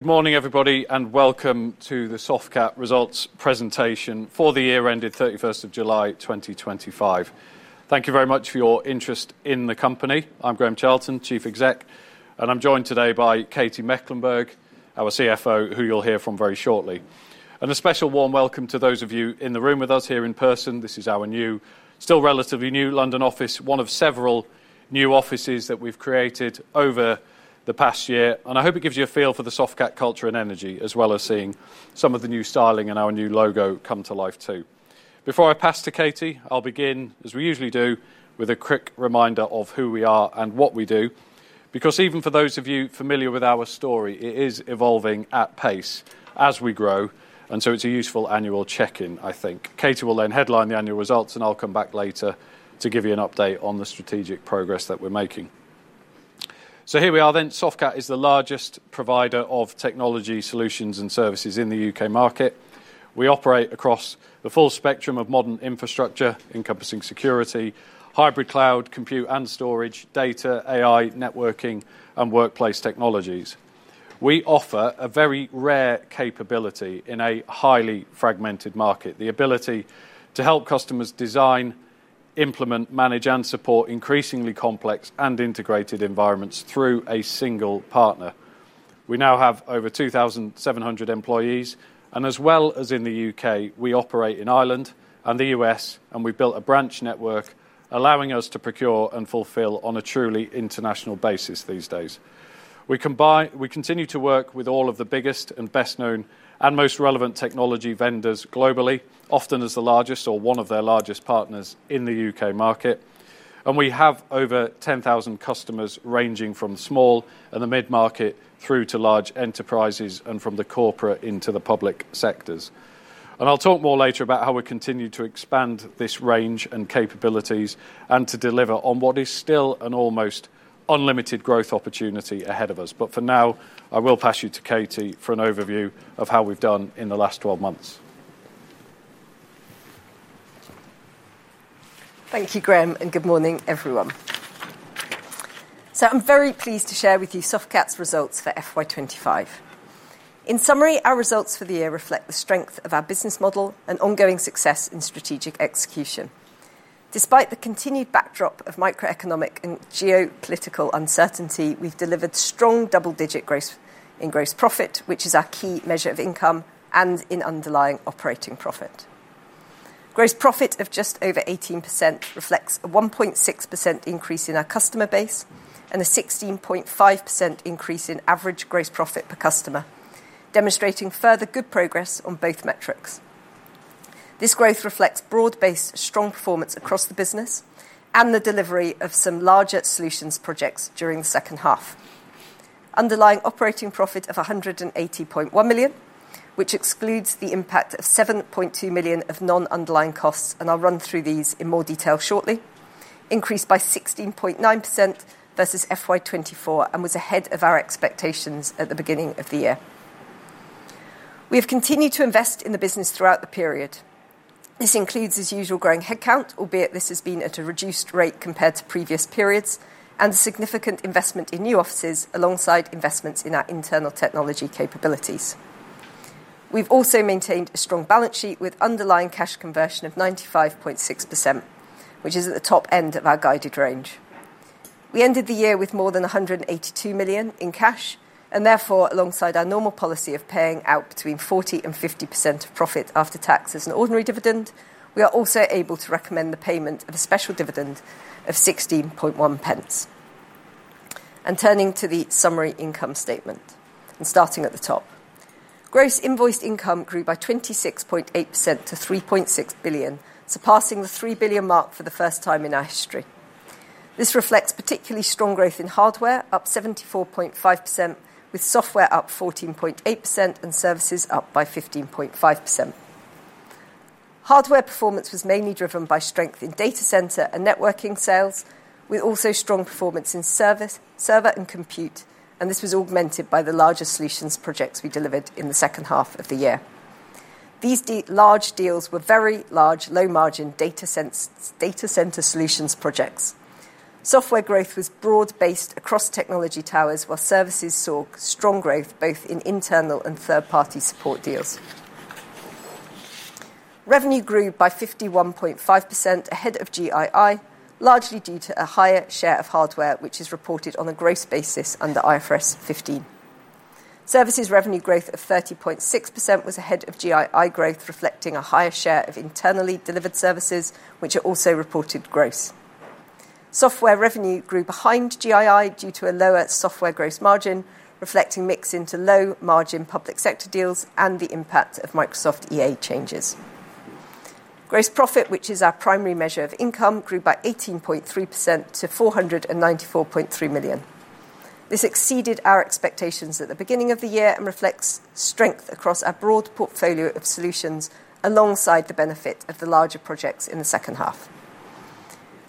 Good morning, everybody, and welcome to the Softcat Results presentation for the year ended 31st of July 2025. Thank you very much for your interest in the company. I'm Graeme Charlton, Chief Executive Officer, and I'm joined today by Katy Mecklenburgh, our Chief Financial Officer, who you'll hear from very shortly. A special warm welcome to those of you in the room with us here in person. This is our new, still relatively new London office, one of several new offices that we've created over the past year. I hope it gives you a feel for the Softcat culture and energy, as well as seeing some of the new styling and our new logo come to life too. Before I pass to Katy, I'll begin, as we usually do, with a quick reminder of who we are and what we do. Even for those of you familiar with our story, it is evolving at pace as we grow. It's a useful annual check-in, I think. Katy will then headline the annual results, and I'll come back later to give you an update on the strategic progress that we're making. Here we are then. Softcat is the largest provider of technology solutions and services in the U.K. market. We operate across the full spectrum of modern infrastructure, encompassing security, hybrid cloud, compute and storage, data, AI, networking, and workplace technologies. We offer a very rare capability in a highly fragmented market: the ability to help customers design, implement, manage, and support increasingly complex and integrated environments through a single partner. We now have over 2,700 employees, and as well as in the U.K., we operate in Ireland and the U.S., and we've built a branch network allowing us to procure and fulfill on a truly international basis these days. We continue to work with all of the biggest and best-known and most relevant technology vendors globally, often as the largest or one of their largest partners in the U.K. market. We have over 10,000 customers ranging from the small and the mid-market through to large enterprises and from the corporate into the public sectors. I'll talk more later about how we continue to expand this range and capabilities and to deliver on what is still an almost unlimited growth opportunity ahead of us. For now, I will pass you to Katy for an overview of how we've done in the last 12 months. Thank you, Graeme, and good morning, everyone. I'm very pleased to share with you Softcat's results for FY 2025. In summary, our results for the year reflect the strength of our business model and ongoing success in strategic execution. Despite the continued backdrop of microeconomic and geopolitical uncertainty, we've delivered strong double-digit growth in gross profit, which is our key measure of income, and in underlying operating profit. Gross profit of just over 18% reflects a 1.6% increase in our customer base and a 16.5% increase in average gross profit per customer, demonstrating further good progress on both metrics. This growth reflects broad-based strong performance across the business and the delivery of some larger solutions projects during the second half. Underlying operating profit of 180.1 million, which excludes the impact of 7.2 million of non-underlying costs, and I'll run through these in more detail shortly, increased by 16.9% versus FY 2024 and was ahead of our expectations at the beginning of the year. We have continued to invest in the business throughout the period. This includes, as usual, growing headcount, albeit this has been at a reduced rate compared to previous periods, and a significant investment in new offices alongside investments in our internal technology capabilities. We've also maintained a strong balance sheet with underlying cash conversion of 95.6%, which is at the top end of our guided range. We ended the year with more than 182 million in cash, and therefore, alongside our normal policy of paying out between 40% and 50% of profit after tax as an ordinary dividend, we are also able to recommend the payment of a special dividend of 0.161. Turning to the summary income statement and starting at the top, gross invoiced income grew by 26.8% to 3.6 billion, surpassing the 3 billion mark for the first time in our history. This reflects particularly strong growth in hardware, up 74.5%, with software up 14.8% and services up by 15.5%. Hardware performance was mainly driven by strength in data center and networking sales, with also strong performance in server and compute, and this was augmented by the larger solutions projects we delivered in the second half of the year. These large deals were very large, low-margin data center solutions projects. Software growth was broad-based across technology towers, while services saw strong growth both in internal and third-party support deals. Revenue grew by 51.5% ahead of GII, largely due to a higher share of hardware, which is reported on a gross basis under IFRS 15. Services revenue growth of 30.6% was ahead of GII growth, reflecting a higher share of internally delivered services, which are also reported gross. Software revenue grew behind GII due to a lower software gross margin, reflecting mix into low-margin public sector deals and the impact of Microsoft EA changes. Gross profit, which is our primary measure of income, grew by 18.3% to 494.3 million. This exceeded our expectations at the beginning of the year and reflects strength across our broad portfolio of solutions alongside the benefit of the larger projects in the second half.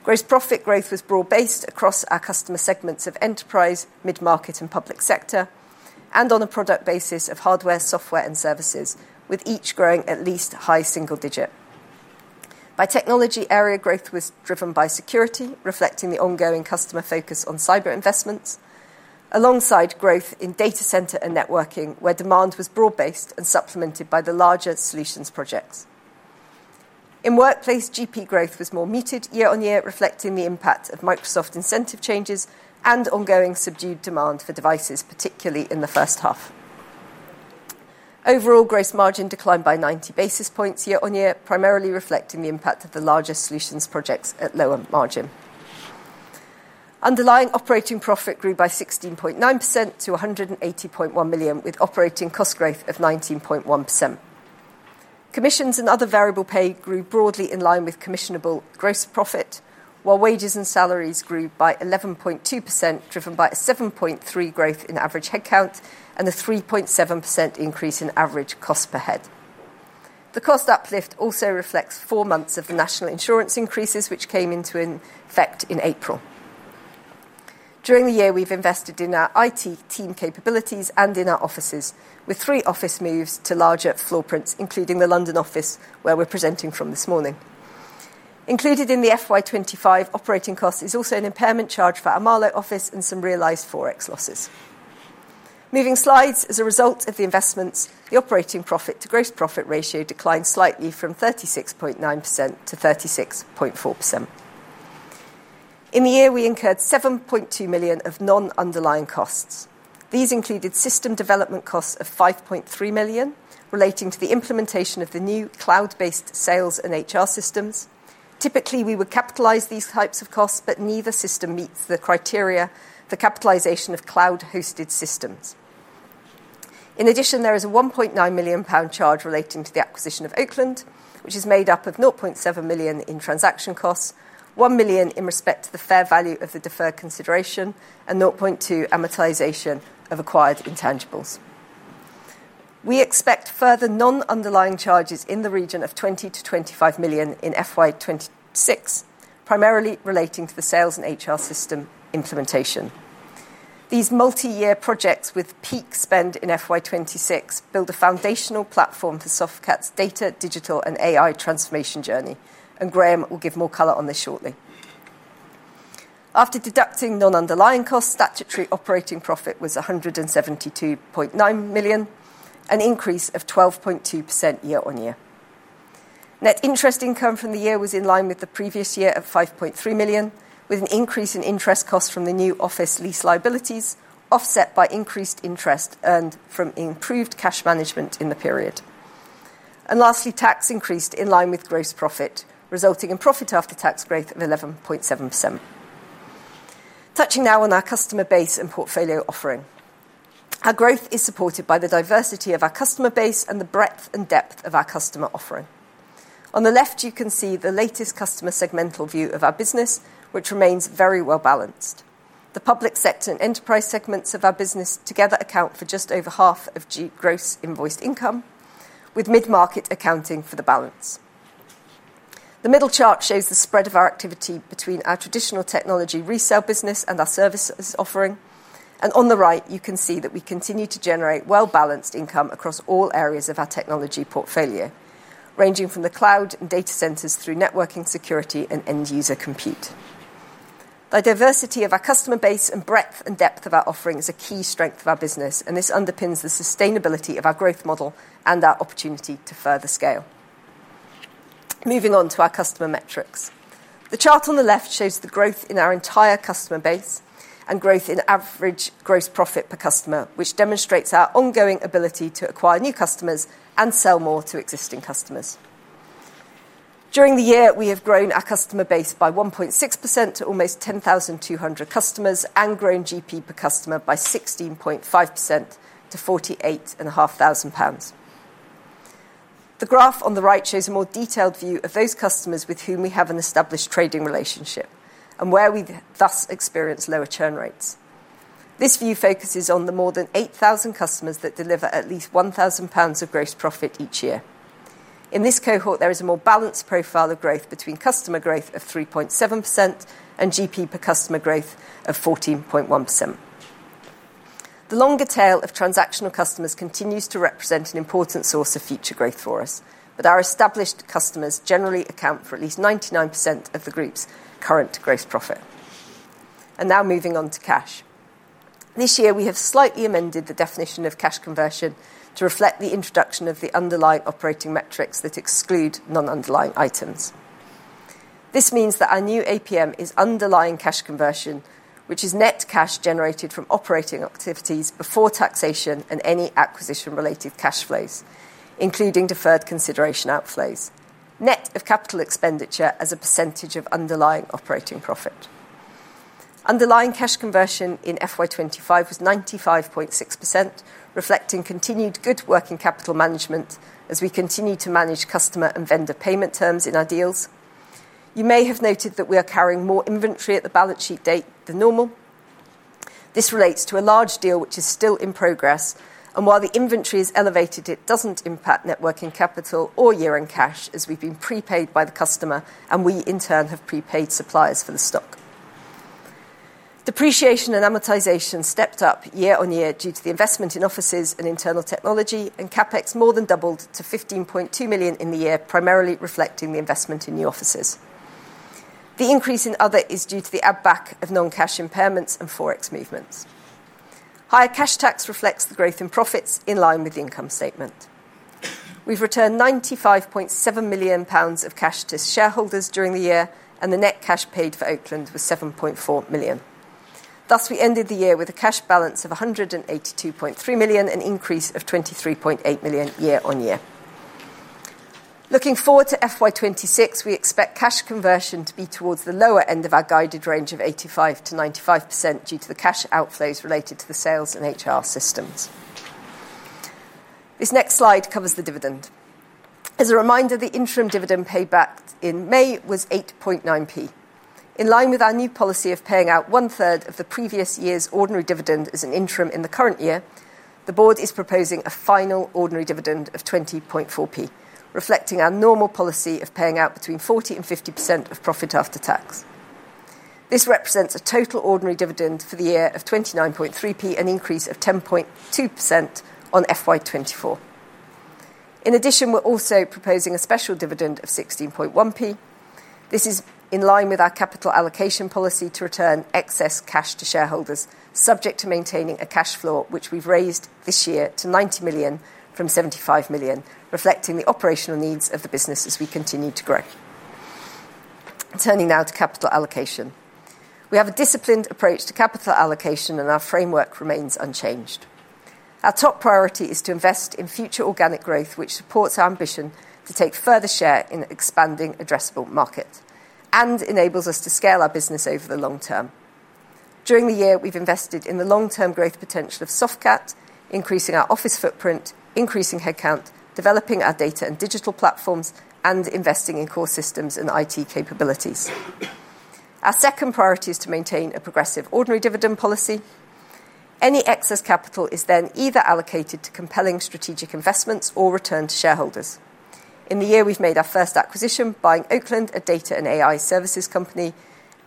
Gross profit growth was broad-based across our customer segments of enterprise, mid-market, and public sector, and on a product basis of hardware, software, and services, with each growing at least high single digit. By technology area, growth was driven by security, reflecting the ongoing customer focus on cyber investments, alongside growth in data center and networking, where demand was broad-based and supplemented by the larger solutions projects. In workplace, GP growth was more muted year on year, reflecting the impact of Microsoft incentive changes and ongoing subdued demand for devices, particularly in the first half. Overall, gross margin declined by 90 basis points year on year, primarily reflecting the impact of the larger solutions projects at lower margin. Underlying operating profit grew by 16.9% to 180.1 million, with operating cost growth of 19.1%. Commissions and other variable pay grew broadly in line with commissionable gross profit, while wages and salaries grew by 11.2%, driven by a 7.3% growth in average headcount and a 3.7% increase in average cost per head. The cost uplift also reflects four months of the national insurance increases, which came into effect in April. During the year, we've invested in our IT team capabilities and in our offices, with three office moves to larger floor prints, including the London office, where we're presenting from this morning. Included in the FY 2025 operating cost is also an impairment charge for our Marlow office and some realized Forex losses. Moving slides, as a result of the investments, the operating profit to gross profit ratio declined slightly from 36.9% to 36.4%. In the year, we incurred 7.2 million of non-underlying costs. These included system development costs of 5.3 million, relating to the implementation of the new cloud-based sales and HR systems. Typically, we would capitalize these types of costs, but neither system meets the criteria for capitalization of cloud-hosted systems. In addition, there is a 1.9 million pound charge relating to the acquisition of Oakland, which is made up of 0.7 million in transaction costs, 1 million in respect to the fair value of the deferred consideration, and 0.2 million amortization of acquired intangibles. We expect further non-underlying charges in the region of 20 million- 25 million in FY 2026, primarily relating to the sales and HR system implementation. These multi-year projects with peak spend in FY2206 build a foundational platform for Softcat's data, digital, and AI transformation journey, and Graeme will give more color on this shortly. After deducting non-underlying costs, statutory operating profit was 172.9 million, an increase of 12.2% year on year. Net interest income from the year was in line with the previous year at 5.3 million, with an increase in interest costs from the new office lease liabilities, offset by increased interest earned from improved cash management in the period. Lastly, tax increased in line with gross profit, resulting in profit after tax growth of 11.7%. Touching now on our customer base and portfolio offering, our growth is supported by the diversity of our customer base and the breadth and depth of our customer offering. On the left, you can see the latest customer segmental view of our business, which remains very well balanced. The public sector and enterprise segments of our business together account for just over half of gross invoiced income, with mid-market accounting for the balance. The middle chart shows the spread of our activity between our traditional technology resale business and our services offering. On the right, you can see that we continue to generate well-balanced income across all areas of our technology portfolio, ranging from the cloud and data centers through networking, security, and end-user compute. The diversity of our customer base and breadth and depth of our offering is a key strength of our business, and this underpins the sustainability of our growth model and our opportunity to further scale. Moving on to our customer metrics, the chart on the left shows the growth in our entire customer base and growth in average gross profit per customer, which demonstrates our ongoing ability to acquire new customers and sell more to existing customers. During the year, we have grown our customer base by 1.6% to almost 10,200 customers and grown gross profit per customer by 16.5% to GBP 48,500. The graph on the right shows a more detailed view of those customers with whom we have an established trading relationship and where we thus experience lower churn rates. This view focuses on the more than 8,000 customers that deliver at least 1,000 pounds of gross profit each year. In this cohort, there is a more balanced profile of growth between customer growth of 3.7% and GP per customer growth of 14.1%. The longer tail of transactional customers continues to represent an important source of future growth for us, yet our established customers generally account for at least 99% of the group's current gross profit. Now moving on to cash. This year, we have slightly amended the definition of cash conversion to reflect the introduction of the underlying operating metrics that exclude non-underlying items. This means that our new APM is underlying cash conversion, which is net cash generated from operating activities before taxation and any acquisition-related cash flows, including deferred consideration outflows, net of capital expenditure as a percentage of underlying operating profit. Underlying cash conversion in FY 2025 was 95.6%, reflecting continued good working capital management as we continue to manage customer and vendor payment terms in our deals. You may have noted that we are carrying more inventory at the balance sheet date than normal. This relates to a large deal which is still in progress, and while the inventory is elevated, it doesn't impact networking capital or year-end cash as we've been prepaid by the customer, and we in turn have prepaid suppliers for the stock. Depreciation and amortization stepped up year on year due to the investment in offices and internal technology, and CapEx more than doubled to 15.2 million in the year, primarily reflecting the investment in new offices. The increase in other is due to the add-back of non-cash impairments and Forex movements. Higher cash tax reflects the growth in profits in line with the income statement. We've returned 95.7 million pounds of cash to shareholders during the year, and the net cash paid for Oakland was 7.4 million. Thus, we ended the year with a cash balance of 182.3 million, an increase of 23.8 million year on year. Looking forward to FY 2026, we expect cash conversion to be towards the lower end of our guided range of 85%-95% due to the cash outflows related to the cloud-based sales and HR systems. This next slide covers the dividend. As a reminder, the interim dividend paid back in May was 0.089. In line with our new policy of paying out one-third of the previous year's ordinary dividend as an interim in the current year, the board is proposing a final ordinary dividend of 0.204, reflecting our normal policy of paying out between 40% and 50% of profit after tax. This represents a total ordinary dividend for the year of 0.293, an increase of 10.2% on FY 2024. In addition, we're also proposing a special dividend of 0.161. This is in line with our capital allocation policy to return excess cash to shareholders, subject to maintaining a cash flow, which we've raised this year to 90 million from 75 million, reflecting the operational needs of the business as we continue to grow. Turning now to capital allocation, we have a disciplined approach to capital allocation, and our framework remains unchanged. Our top priority is to invest in future organic growth, which supports our ambition to take further share in expanding addressable markets and enables us to scale our business over the long term. During the year, we've invested in the long-term growth potential of Softcat, increasing our office footprint, increasing headcount, developing our data and digital platforms, and investing in core systems and IT capabilities. Our second priority is to maintain a progressive ordinary dividend policy. Any excess capital is then either allocated to compelling strategic investments or returned to shareholders. In the year, we've made our first acquisition, buying Oakland, a data and AI services company,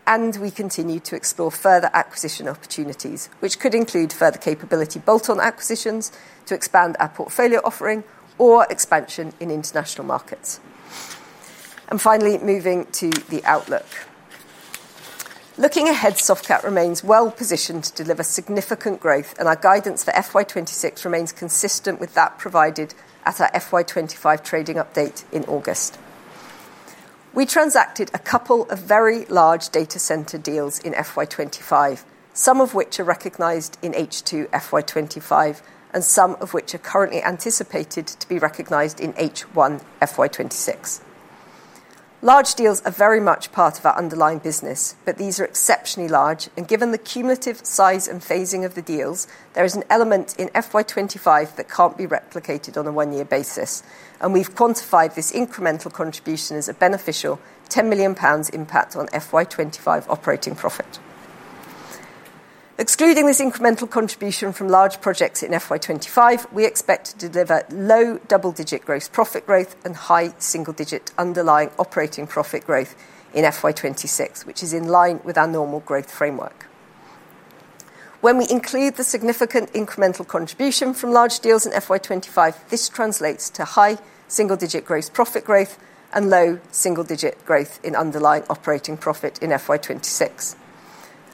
and we continue to explore further acquisition opportunities, which could include further capability bolt-on acquisitions to expand our portfolio offering or expansion in international markets. Finally, moving to the outlook. Looking ahead, Softcat remains well positioned to deliver significant growth, and our guidance for FY 2026 remains consistent with that provided at our FY 2025 trading update in August. We transacted a couple of very large data center deals in FY 2025, some of which are recognized in H2 FY 2025, and some of which are currently anticipated to be recognized in H1 FY 2025. Large deals are very much part of our underlying business, but these are exceptionally large, and given the cumulative size and phasing of the deals, there is an element in FY 2025 that can't be replicated on a one-year basis, and we've quantified this incremental contribution as a beneficial 10 million pounds impact on FY 2025 operating profit. Excluding this incremental contribution from large projects in FY 2025, we expect to deliver low double-digit gross profit growth and high single-digit underlying operating profit growth in FY 2026, which is in line with our normal growth framework. When we include the significant incremental contribution from large deals in FY 2025, this translates to high single-digit gross profit growth and low single-digit growth in underlying operating profit in FY 2026.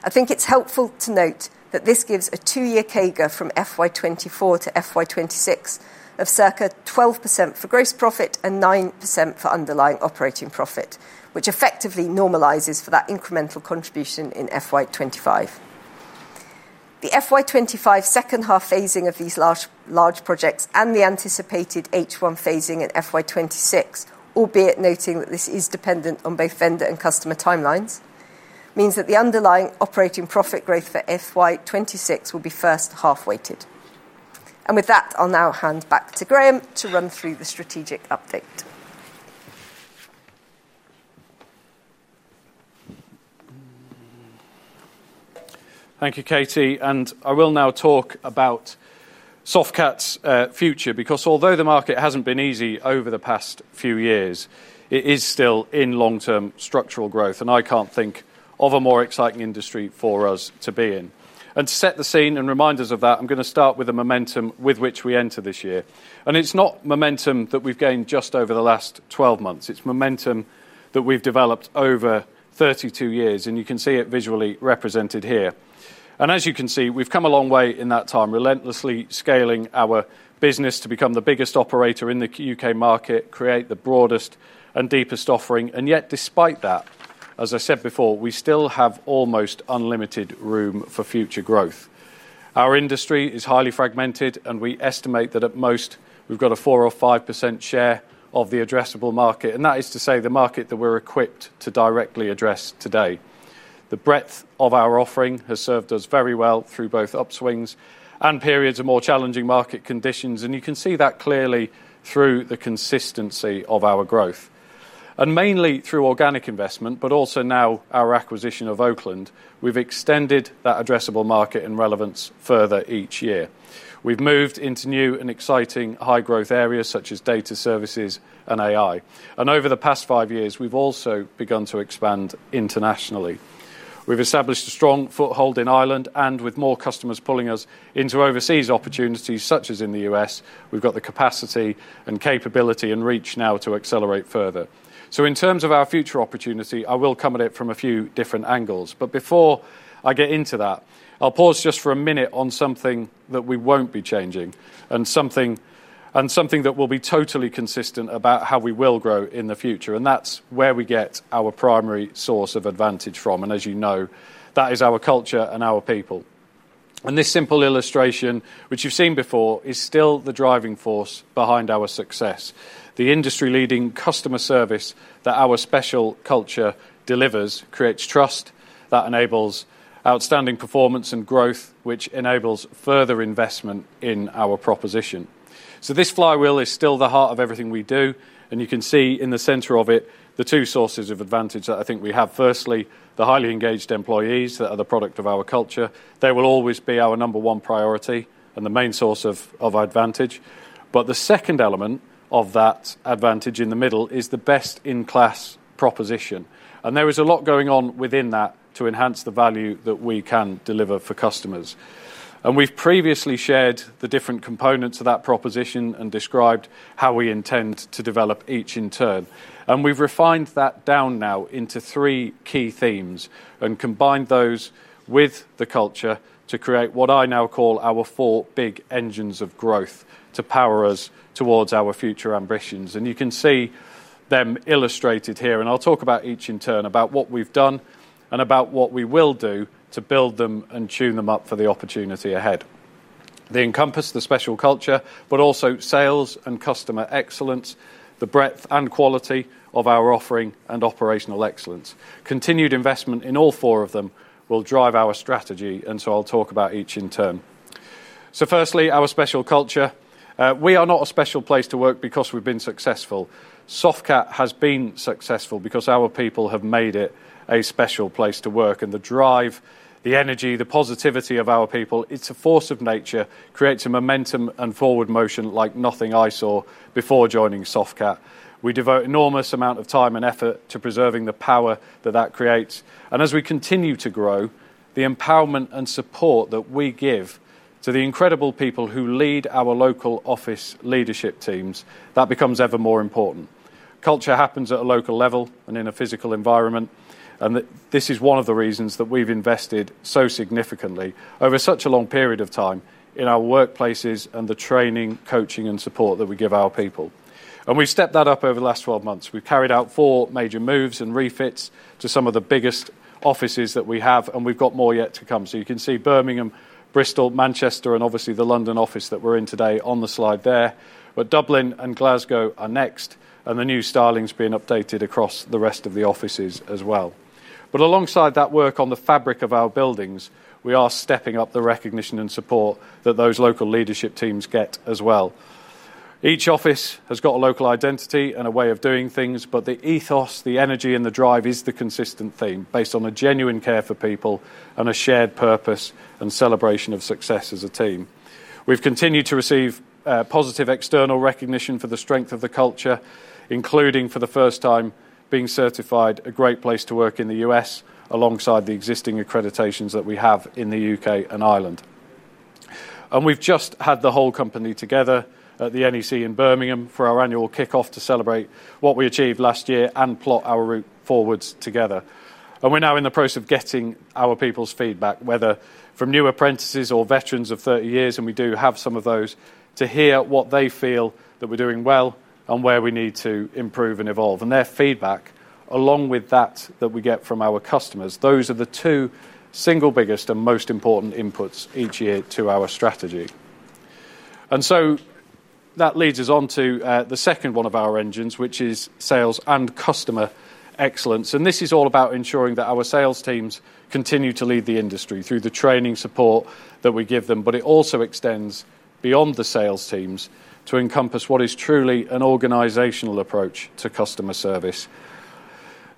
I think it's helpful to note that this gives a two-year CAGR from FY 2024 to FY 2026 of circa 12% for gross profit and 9% for underlying operating profit, which effectively normalizes for that incremental contribution in FY 2025. The FY 2025 second-half phasing of these large projects and the anticipated H1 phasing in FY 2026 noting that this is dependent on both vendor and customer timelines, means that the underlying operating profit growth for FY 2026 will be first half-weighted. With that, I'll now hand back to Graeme to run through the strategic update. Thank you, Katy, and I will now talk about Softcat's future because although the market hasn't been easy over the past few years, it is still in long-term structural growth, and I can't think of a more exciting industry for us to be in. To set the scene and remind us of that, I'm going to start with the momentum with which we enter this year. It's not momentum that we've gained just over the last 12 months. It's momentum that we've developed over 32 years, and you can see it visually represented here. As you can see, we've come a long way in that time, relentlessly scaling our business to become the biggest operator in the U.K. market, create the broadest and deepest offering. Yet, despite that, as I said before, we still have almost unlimited room for future growth. Our industry is highly fragmented, and we estimate that at most we've got a 4% or 5% share of the addressable market, and that is to say the market that we're equipped to directly address today. The breadth of our offering has served us very well through both upswings and periods of more challenging market conditions, and you can see that clearly through the consistency of our growth. Mainly through organic investment, but also now our acquisition of Oakland, we've extended that addressable market and relevance further each year. We've moved into new and exciting high-growth areas such as data services and AI. Over the past five years, we've also begun to expand internationally. We've established a strong foothold in Ireland, and with more customers pulling us into overseas opportunities, such as in the U.S., we've got the capacity and capability and reach now to accelerate further. In terms of our future opportunity, I will come at it from a few different angles. Before I get into that, I'll pause just for a minute on something that we won't be changing and something that will be totally consistent about how we will grow in the future. That's where we get our primary source of advantage from. As you know, that is our culture and our people. This simple illustration, which you've seen before, is still the driving force behind our success. The industry-leading customer service that our special culture delivers creates trust that enables outstanding performance and growth, which enables further investment in our proposition. This flywheel is still the heart of everything we do. You can see in the center of it the two sources of advantage that I think we have. Firstly, the highly engaged employees that are the product of our culture. They will always be our number one priority and the main source of advantage. The second element of that advantage in the middle is the best-in-class proposition. There is a lot going on within that to enhance the value that we can deliver for customers. We've previously shared the different components of that proposition and described how we intend to develop each in turn. We've refined that down now into three key themes and combined those with the culture to create what I now call our four big engines of growth to power us towards our future ambitions. You can see them illustrated here. I'll talk about each in turn, about what we've done and about what we will do to build them and tune them up for the opportunity ahead. They encompass the special culture, but also sales and customer excellence, the breadth and quality of our offering, and operational excellence. Continued investment in all four of them will drive our strategy. I'll talk about each in turn. Firstly, our special culture. We are not a special place to work because we've been successful. Softcat has been successful because our people have made it a special place to work. The drive, the energy, the positivity of our people, it's a force of nature, creates a momentum and forward motion like nothing I saw before joining Softcat. We devote an enormous amount of time and effort to preserving the power that that creates. As we continue to grow, the empowerment and support that we give to the incredible people who lead our local office leadership teams becomes ever more important. Culture happens at a local level and in a physical environment. This is one of the reasons that we've invested so significantly over such a long period of time in our workplaces and the training, coaching, and support that we give our people. We've stepped that up over the last 12 months. We've carried out four major moves and refits to some of the biggest offices that we have, and we've got more yet to come. You can see Birmingham, Bristol, Manchester, and obviously the London office that we're in today on the slide there. Dublin and Glasgow are next, and the new styling's being updated across the rest of the offices as well. Alongside that work on the fabric of our buildings, we are stepping up the recognition and support that those local leadership teams get as well. Each office has got a local identity and a way of doing things, but the ethos, the energy, and the drive is the consistent theme based on a genuine care for people and a shared purpose and celebration of success as a team. We've continued to receive positive external recognition for the strength of the culture, including for the first time being certified a great place to work in the U.S., alongside the existing accreditations that we have in the U.K. and Ireland. We've just had the whole company together at the NEC in Birmingham for our annual kickoff to celebrate what we achieved last year and plot our route forwards together. We are now in the process of getting our people's feedback, whether from new apprentices or veterans of 30 years, and we do have some of those, to hear what they feel that we're doing well and where we need to improve and evolve. Their feedback, along with that that we get from our customers, those are the two single biggest and most important inputs each year to our strategy. That leads us on to the second one of our engines, which is sales and customer excellence. This is all about ensuring that our sales teams continue to lead the industry through the training support that we give them. It also extends beyond the sales teams to encompass what is truly an organizational approach to customer service.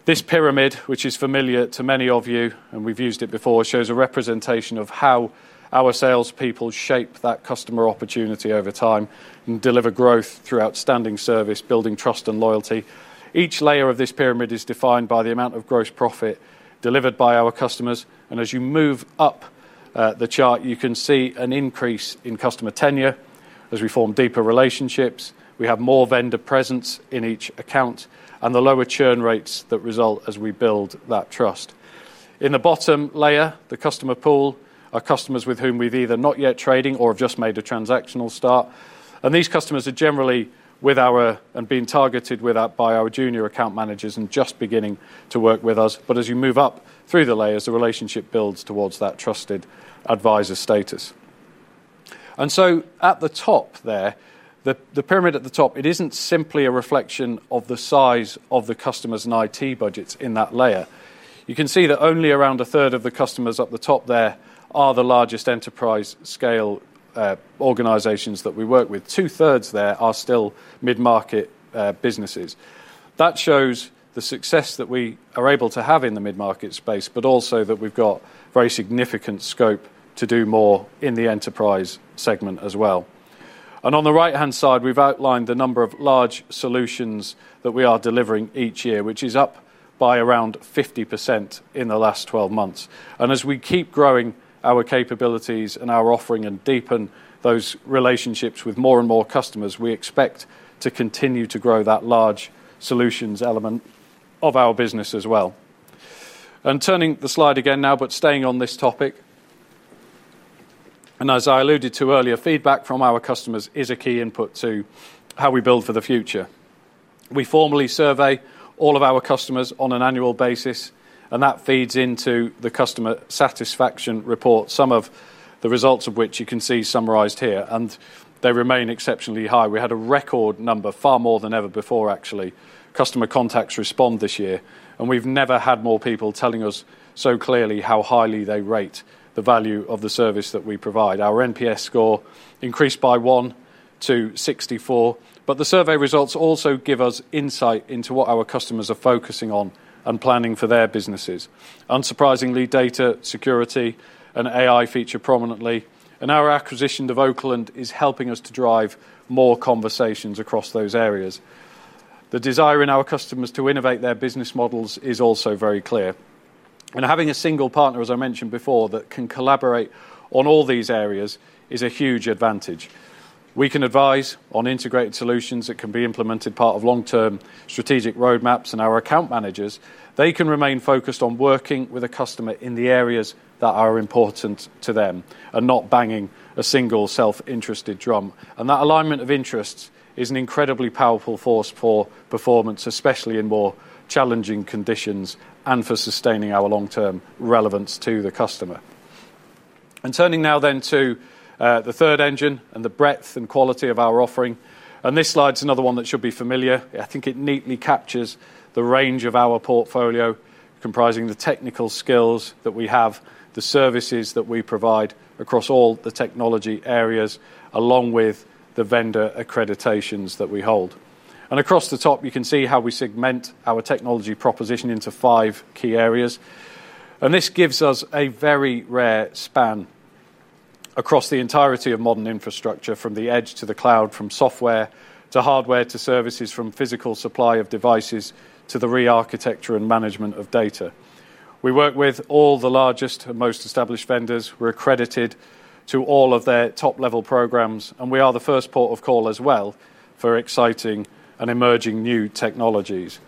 This pyramid, which is familiar to many of you, and we've used it before, shows a representation of how our salespeople shape that customer opportunity over time and deliver growth through outstanding service, building trust and loyalty. Each layer of this pyramid is defined by the amount of gross profit delivered by our customers. As you move up the chart, you can see an increase in customer tenure as we form deeper relationships. We have more vendor presence in each account and the lower churn rates that result as we build that trust. In the bottom layer, the customer pool are customers with whom we've either not yet trading or have just made a transactional start. These customers are generally with our and being targeted by our junior account managers and just beginning to work with us. As you move up through the layers, the relationship builds towards that trusted advisor status. At the top there, the pyramid at the top, it isn't simply a reflection of the size of the customers' and IT budgets in that layer. You can see that only around a third of the customers up the top there are the largest enterprise scale organizations that we work with. Two-thirds there are still mid-market businesses. That shows the success that we are able to have in the mid-market space, but also that we've got very significant scope to do more in the enterprise segment as well. On the right-hand side, we've outlined the number of large solutions that we are delivering each year, which is up by around 50% in the last 12 months. As we keep growing our capabilities and our offering and deepen those relationships with more and more customers, we expect to continue to grow that large solutions element of our business as well. Turning the slide again now, but staying on this topic, as I alluded to earlier, feedback from our customers is a key input to how we build for the future. We formally survey all of our customers on an annual basis, and that feeds into the customer satisfaction report, some of the results of which you can see summarized here. They remain exceptionally high. We had a record number, far more than ever before, actually, customer contacts respond this year. We've never had more people telling us so clearly how highly they rate the value of the service that we provide. Our NPS score increased by 1 to 64, but the survey results also give us insight into what our customers are focusing on and planning for their businesses. Unsurprisingly, data security and AI feature prominently, and our acquisition of Oakland is helping us to drive more conversations across those areas. The desire in our customers to innovate their business models is also very clear. Having a single partner, as I mentioned before, that can collaborate on all these areas is a huge advantage. We can advise on integrated solutions that can be implemented as part of long-term strategic roadmaps, and our account managers can remain focused on working with a customer in the areas that are important to them and not banging a single self-interested drum. That alignment of interests is an incredibly powerful force for performance, especially in more challenging conditions, and for sustaining our long-term relevance to the customer. Turning now then to the third engine and the breadth and quality of our offering. This slide is another one that should be familiar. I think it neatly captures the range of our portfolio, comprising the technical skills that we have, the services that we provide across all the technology areas, along with the vendor accreditations that we hold. Across the top, you can see how we segment our technology proposition into five key areas. This gives us a very rare span across the entirety of modern infrastructure, from the edge to the cloud, from software to hardware to services, from physical supply of devices to the re-architecture and management of data. We work with all the largest and most established vendors. We are accredited to all of their top-level programs, and we are the first port of call as well for exciting and emerging new technologies.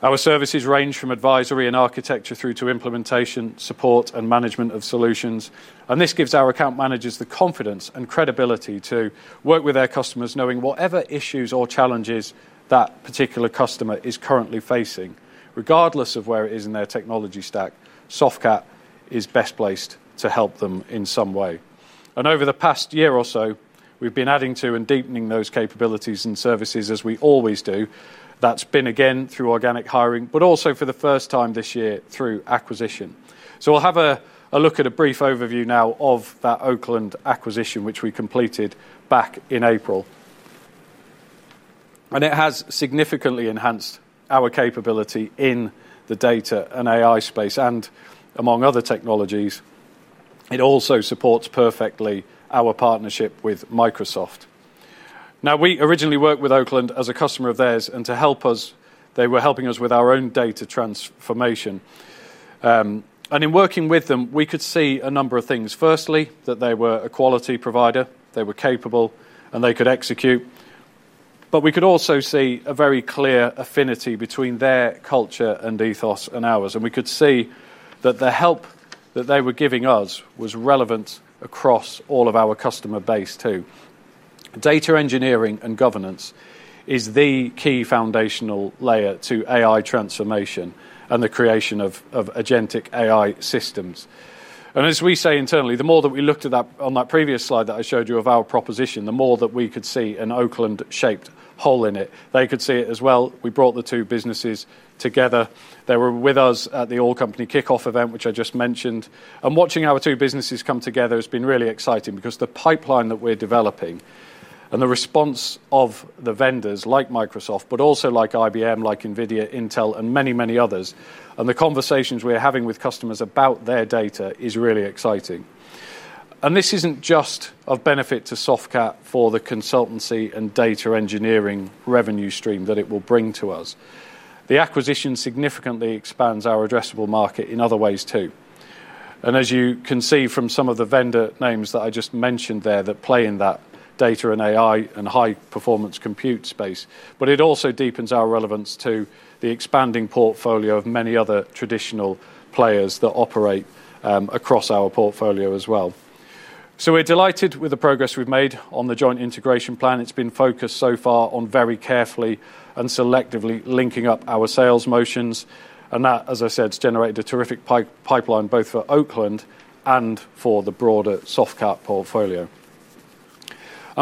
Our services range from advisory and architecture through to implementation, support, and management of solutions. This gives our account managers the confidence and credibility to work with their customers, knowing whatever issues or challenges that particular customer is currently facing, regardless of where it is in their technology stack, Softcat is best placed to help them in some way. Over the past year or so, we've been adding to and deepening those capabilities and services, as we always do. That has been again through organic hiring, but also for the first time this year through acquisition. We will have a look at a brief overview now of that Oakland acquisition, which we completed back in April. It has significantly enhanced our capability in the data and AI space, and among other technologies, it also supports perfectly our partnership with Microsoft. We originally worked with Oakland as a customer of theirs, and to help us, they were helping us with our own data transformation. In working with them, we could see a number of things. Firstly, that they were a quality provider, they were capable, and they could execute. We could also see a very clear affinity between their culture and ethos and ours. We could see that the help that they were giving us was relevant across all of our customer base too. Data engineering and governance is the key foundational layer to AI transformation and the creation of agentic AI systems. As we say internally, the more that we looked at that on that previous slide that I showed you of our proposition, the more that we could see an Oakland-shaped hole in it. They could see it as well. We brought the two businesses together. They were with us at the All Company kickoff event, which I just mentioned. Watching our two businesses come together has been really exciting because the pipeline that we're developing and the response of the vendors like Microsoft, but also like IBM, like NVIDIA, Intel, and many, many others, and the conversations we're having with customers about their data is really exciting. This isn't just of benefit to Softcat for the consultancy and data engineering revenue stream that it will bring to us. The acquisition significantly expands our addressable market in other ways too. As you can see from some of the vendor names that I just mentioned there that play in that data and AI and high-performance compute space, it also deepens our relevance to the expanding portfolio of many other traditional players that operate across our portfolio as well. We're delighted with the progress we've made on the joint integration plan. It's been focused so far on very carefully and selectively linking up our sales motions. That, as I said, has generated a terrific pipeline both for Oakland and for the broader Softcat portfolio.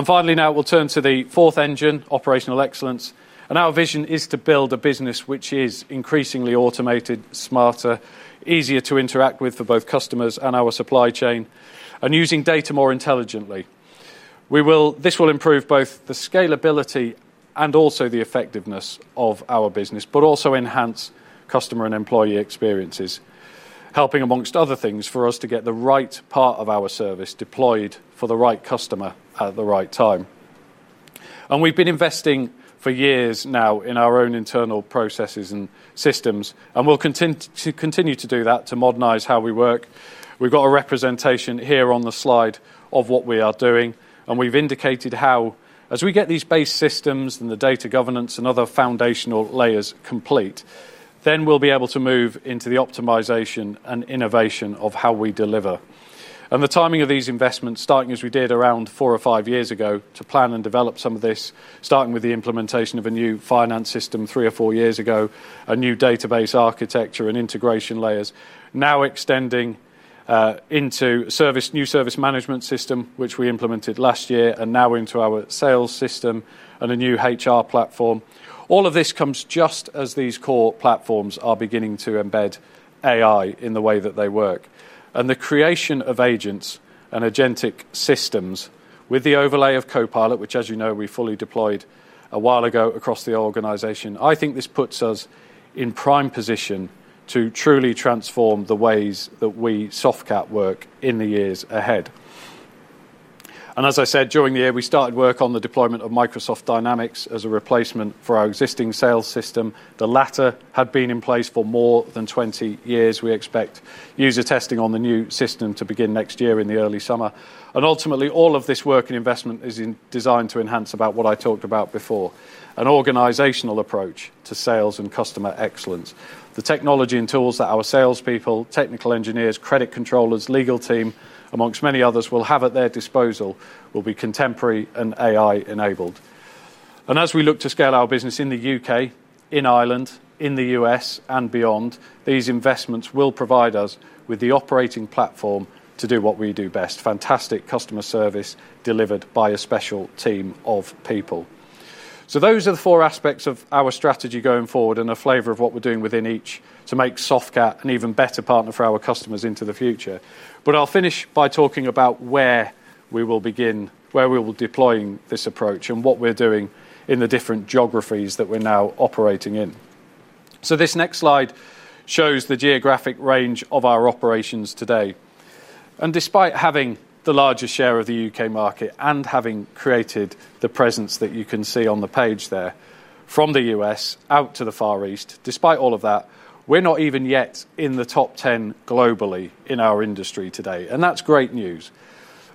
Finally, now we'll turn to the fourth engine, operational excellence. Our vision is to build a business which is increasingly automated, smarter, easier to interact with for both customers and our supply chain, and using data more intelligently. This will improve both the scalability and also the effectiveness of our business, but also enhance customer and employee experiences, helping, amongst other things, for us to get the right part of our service deployed for the right customer at the right time. We've been investing for years now in our own internal processes and systems, and we'll continue to do that to modernize how we work. We've got a representation here on the slide of what we are doing, and we've indicated how, as we get these base systems and the data governance and other foundational layers complete, then we'll be able to move into the optimization and innovation of how we deliver. The timing of these investments, starting as we did around four or five years ago to plan and develop some of this, began with the implementation of a new finance system three or four years ago, a new database architecture and integration layers, now extending into a new service management system, which we implemented last year, and now into our sales system and a new HR platform. All of this comes just as these core platforms are beginning to embed AI in the way that they work. The creation of agents and agentic systems with the overlay of Copilot, which, as you know, we fully deployed a while ago across the organization, puts us in prime position to truly transform the ways that we at Softcat work in the years ahead. As I said, during the year, we started work on the deployment of Microsoft Dynamics as a replacement for our existing sales system. The latter had been in place for more than 20 years. We expect user testing on the new system to begin next year in the early summer. Ultimately, all of this work and investment is designed to enhance what I talked about before, an organizational approach to sales and customer excellence. The technology and tools that our salespeople, technical engineers, credit controllers, legal team, amongst many others, will have at their disposal will be contemporary and AI-enabled. As we look to scale our business in the U.K., in Ireland, in the U.S., and beyond, these investments will provide us with the operating platform to do what we do best: fantastic customer service delivered by a special team of people. These are the four aspects of our strategy going forward and a flavor of what we're doing within each to make Softcat an even better partner for our customers into the future. I'll finish by talking about where we will be deploying this approach and what we're doing in the different geographies that we're now operating in. This next slide shows the geographic range of our operations today. Despite having the largest share of the U.K. market and having created the presence that you can see on the page there, from the U.S. out to the Far East, despite all of that, we're not even yet in the top 10 globally in our industry today. That's great news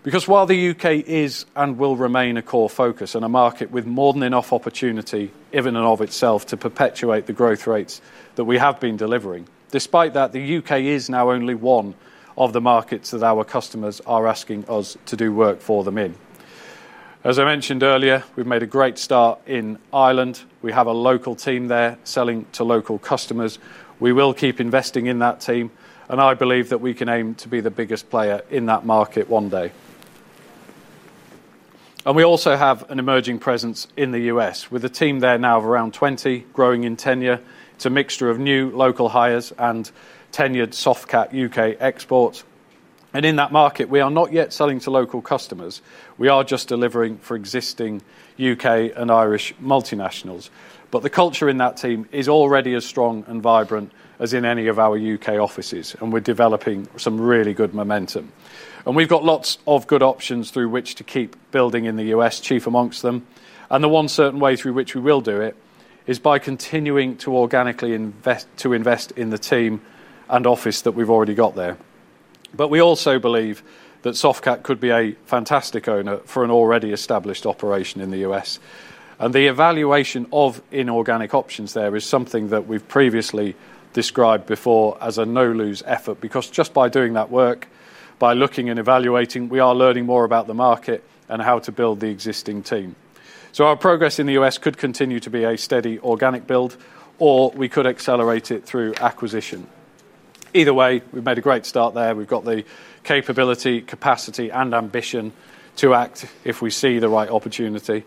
because while the U.K. is and will remain a core focus and a market with more than enough opportunity in and of itself to perpetuate the growth rates that we have been delivering, despite that, the U.K. is now only one of the markets that our customers are asking us to do work for them in. As I mentioned earlier, we've made a great start in Ireland. We have a local team there selling to local customers. We will keep investing in that team, and I believe that we can aim to be the biggest player in that market one day. We also have an emerging presence in the U.S. with a team there now of around 20, growing in tenure. It's a mixture of new local hires and tenured Softcat U.K. exports. In that market, we are not yet selling to local customers. We are just delivering for existing U.K. and Irish multinationals. The culture in that team is already as strong and vibrant as in any of our U.K. offices, and we're developing some really good momentum. We've got lots of good options through which to keep building in the U.S., chief amongst them. The one certain way through which we will do it is by continuing to organically invest in the team and office that we've already got there. We also believe that Softcat could be a fantastic owner for an already established operation in the U.S. The evaluation of inorganic options there is something that we've previously described before as a no-lose effort because just by doing that work, by looking and evaluating, we are learning more about the market and how to build the existing team. Our progress in the U.S. could continue to be a steady organic build, or we could accelerate it through acquisition. Either way, we've made a great start there. We've got the capability, capacity, and ambition to act if we see the right opportunity.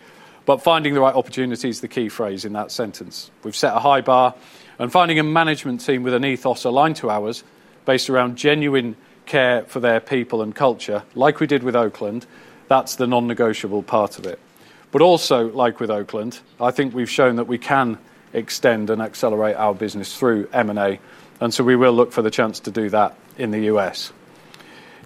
Finding the right opportunity is the key phrase in that sentence. We've set a high bar, and finding a management team with an ethos aligned to ours, based around genuine care for their people and culture, like we did with Oakland, that's the non-negotiable part of it. Also, like with Oakland, I think we've shown that we can extend and accelerate our business through M&A. We will look for the chance to do that in the U.S.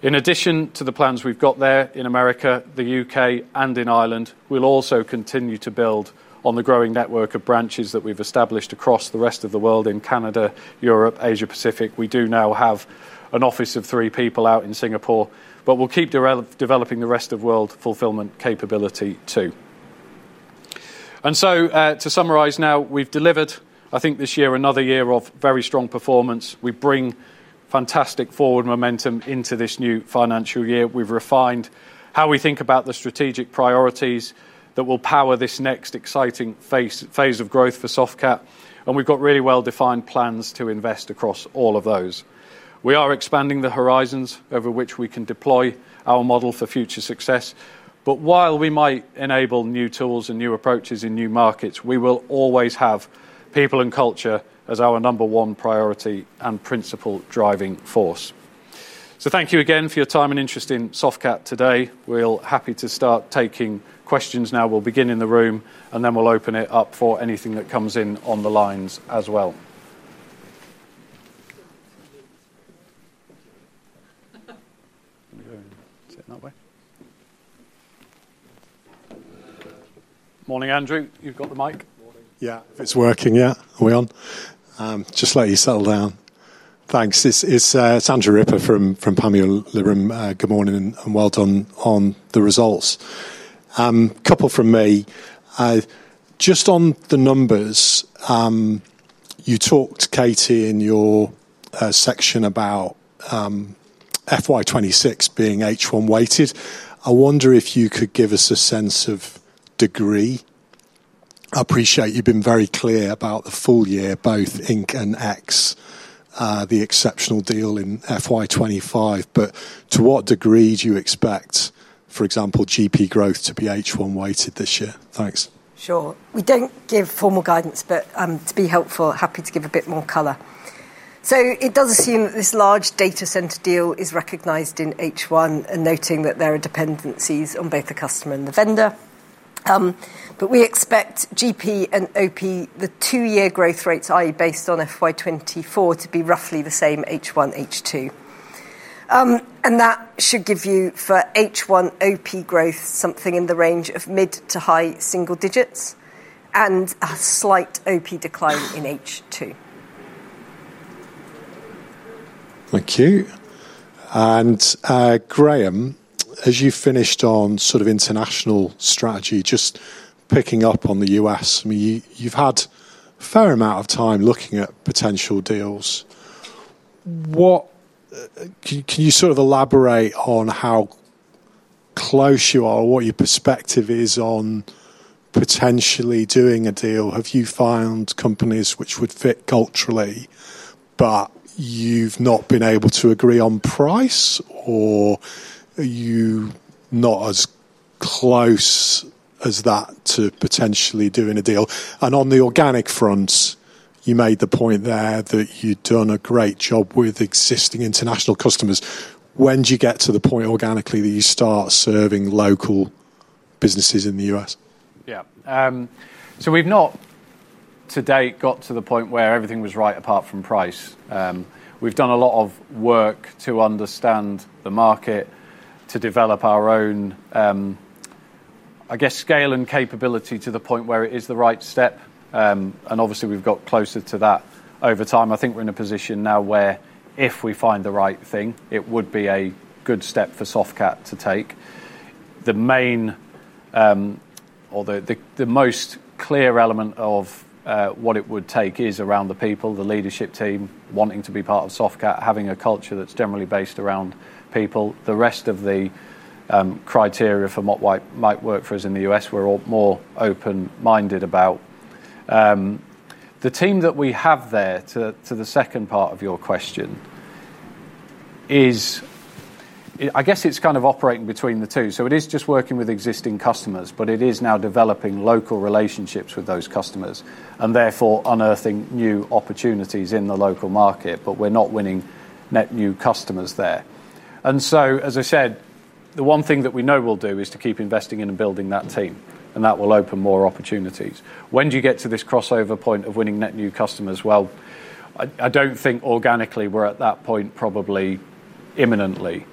In addition to the plans we've got there in America, the U.K., and in Ireland, we'll also continue to build on the growing network of branches that we've established across the rest of the world in Canada, Europe, and Asia Pacific. We do now have an office of three people out in Singapore, but we'll keep developing the rest of the world fulfillment capability too. To summarize now, we've delivered, I think this year, another year of very strong performance. We bring fantastic forward momentum into this new financial year. We've refined how we think about the strategic priorities that will power this next exciting phase of growth for Softcat, and we've got really well-defined plans to invest across all of those. We are expanding the horizons over which we can deploy our model for future success. While we might enable new tools and new approaches in new markets, we will always have people and culture as our number one priority and principal driving force. Thank you again for your time and interest in Softcat today. We're happy to start taking questions now. We'll begin in the room, and then we'll open it up for anything that comes in on the lines as well. Let me go in and sit in that way. Morning, Andrew. You've got the mic. Morning. If it's working, yeah. Are we on? Just let you settle down. Thanks. It's Andrew Ripper from Pamiul Lurim. Good morning and well done on the results. A couple from me. Just on the numbers, you talked, Katy, in your section about FY 2026 being H1 weighted. I wonder if you could give us a sense of degree. I appreciate you've been very clear about the full year, both Inc. and EX, the exceptional deal in FY 2025, but to what degree do you expect, for example, GP growth to be H1 weighted this year? Thanks. Sure. We don't give formal guidance, but to be helpful, happy to give a bit more color. It does assume that this large data center deal is recognized in H1, noting that there are dependencies on both the customer and the vendor. We expect GP and OP, the two-year growth rates, i.e., based on FY 2024, to be roughly the same H1-H2. That should give you for H1-OP growth something in the range of mid to high single digits and a slight OP decline in H2. Thank you. Graeme, as you finished on sort of international strategy, just picking up on the U.S., you've had a fair amount of time looking at potential deals. Can you elaborate on how close you are or what your perspective is on potentially doing a deal? Have you found companies which would fit culturally, but you've not been able to agree on price, or are you not as close as that to potentially doing a deal? On the organic fronts, you made the point there that you'd done a great job with existing international customers. When do you get to the point organically that you start serving local businesses in the U.S.? Yeah. We've not to date got to the point where everything was right apart from price. We've done a lot of work to understand the market, to develop our own, I guess, scale and capability to the point where it is the right step. Obviously, we've got closer to that over time. I think we're in a position now where if we find the right thing, it would be a good step for Softcat to take. The main or the most clear element of what it would take is around the people, the leadership team wanting to be part of Softcat, having a culture that's generally based around people. The rest of the criteria for what might work for us in the U.S., we're all more open-minded about. The team that we have there, to the second part of your question, is kind of operating between the two. It is just working with existing customers, but it is now developing local relationships with those customers and therefore unearthing new opportunities in the local market, but we're not winning net new customers there. As I said, the one thing that we know we'll do is to keep investing in and building that team, and that will open more opportunities. When do you get to this crossover point of winning net new customers? I don't think organically we're at that point probably imminently.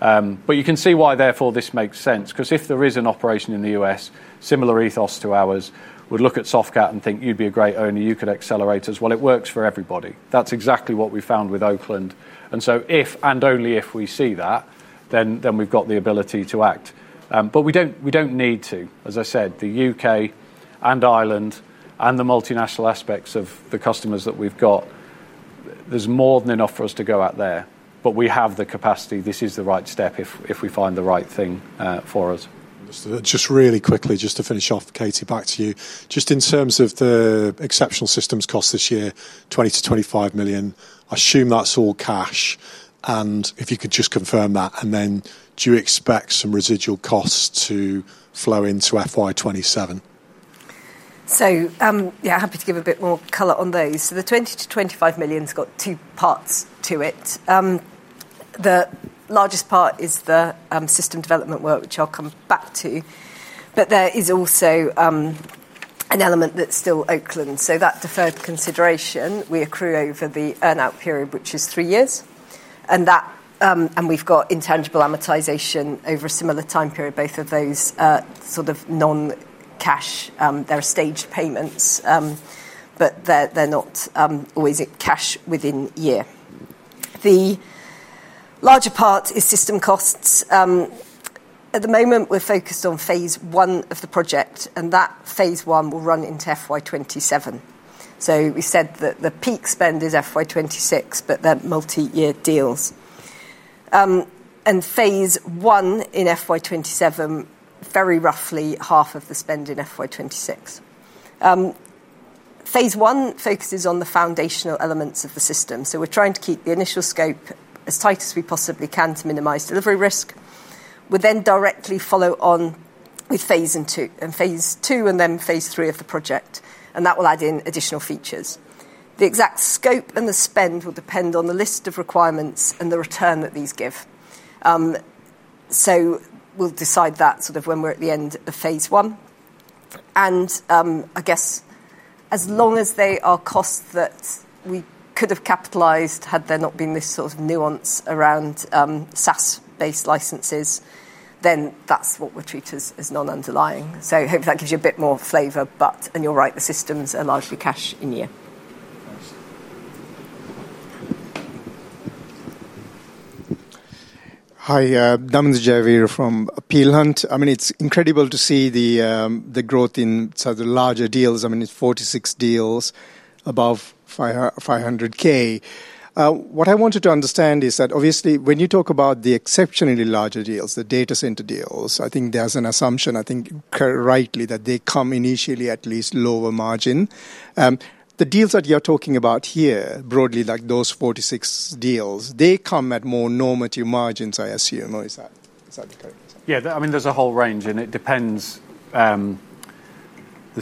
You can see why, therefore, this makes sense, because if there is an operation in the U.S., similar ethos to ours, would look at Softcat and think, "You'd be a great owner. You could accelerate us." It works for everybody. That's exactly what we found with Oakland. If and only if we see that, then we've got the ability to act. We don't need to. As I said, the U.K. and Ireland and the multinational aspects of the customers that we've got, there's more than enough for us to go out there, but we have the capacity. This is the right step if we find the right thing for us. Just really quickly, just to finish off, Katy, back to you. Just in terms of the exceptional systems cost this year, 20 million- 25 million, I assume that's all cash. If you could just confirm that, do you expect some residual costs to flow into FY 2027? Happy to give a bit more color on those. The 20 million- 25 million has got two parts to it. The largest part is the system development work, which I'll come back to. There is also an element that's still Oakland. That deferred consideration, we accrue over the earnout period, which is three years. We've got intangible amortization over a similar time period, both of those sort of non-cash. They're staged payments, but they're not always cash within a year. The larger part is system costs. At the moment, we're focused on phase one of the project, and that phase one will run into FY 2027. We said that the peak spend is FY 2026, but then multi-year deals. Phase one in FY 2027 is very roughly half of the spend in FY 2026. Phase I focuses on the foundational elements of the system. We're trying to keep the initial scope as tight as we possibly can to minimize delivery risk. We'll then directly follow on with phase II, and phase II, and then phase III of the project. That will add in additional features. The exact scope and the spend will depend on the list of requirements and the return that these give. We'll decide that sort of when we're at the end of phase one. I guess as long as they are costs that we could have capitalized, had there not been this sort of nuance around SaaS-based licenses, then that's what we're treated as non-underlying. Hopefully that gives you a bit more flavor, and you're right, the systems are largely cash in year. Hi, Danon Jerry from Peel Hunt. It's incredible to see the growth in sort of the larger deals. It's 46 deals above 500,000. What I wanted to understand is that obviously when you talk about the exceptionally larger deals, the data center deals, I think there's an assumption, I think rightly, that they come initially at least lower margin. The deals that you're talking about here broadly, like those 46 deals, they come at more normative margins, I assume. Is that the correct answer? Yeah, I mean, there's a whole range, and it depends on the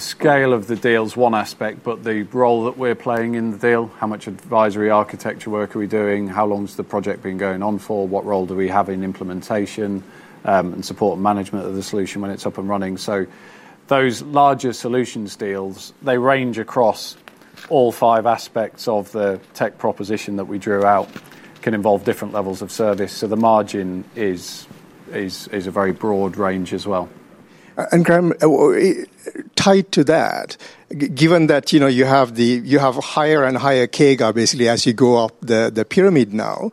scale of the deals, one aspect, but the role that we're playing in the deal, how much advisory architecture work are we doing, how long's the project been going on for, what role do we have in implementation and support and management of the solution when it's up and running. Those larger solutions deals, they range across all five aspects of the tech proposition that we drew out, can involve different levels of service. The margin is a very broad range as well. Graeme, tied to that, given that you have higher and higher CAGR basically as you go up the pyramid now,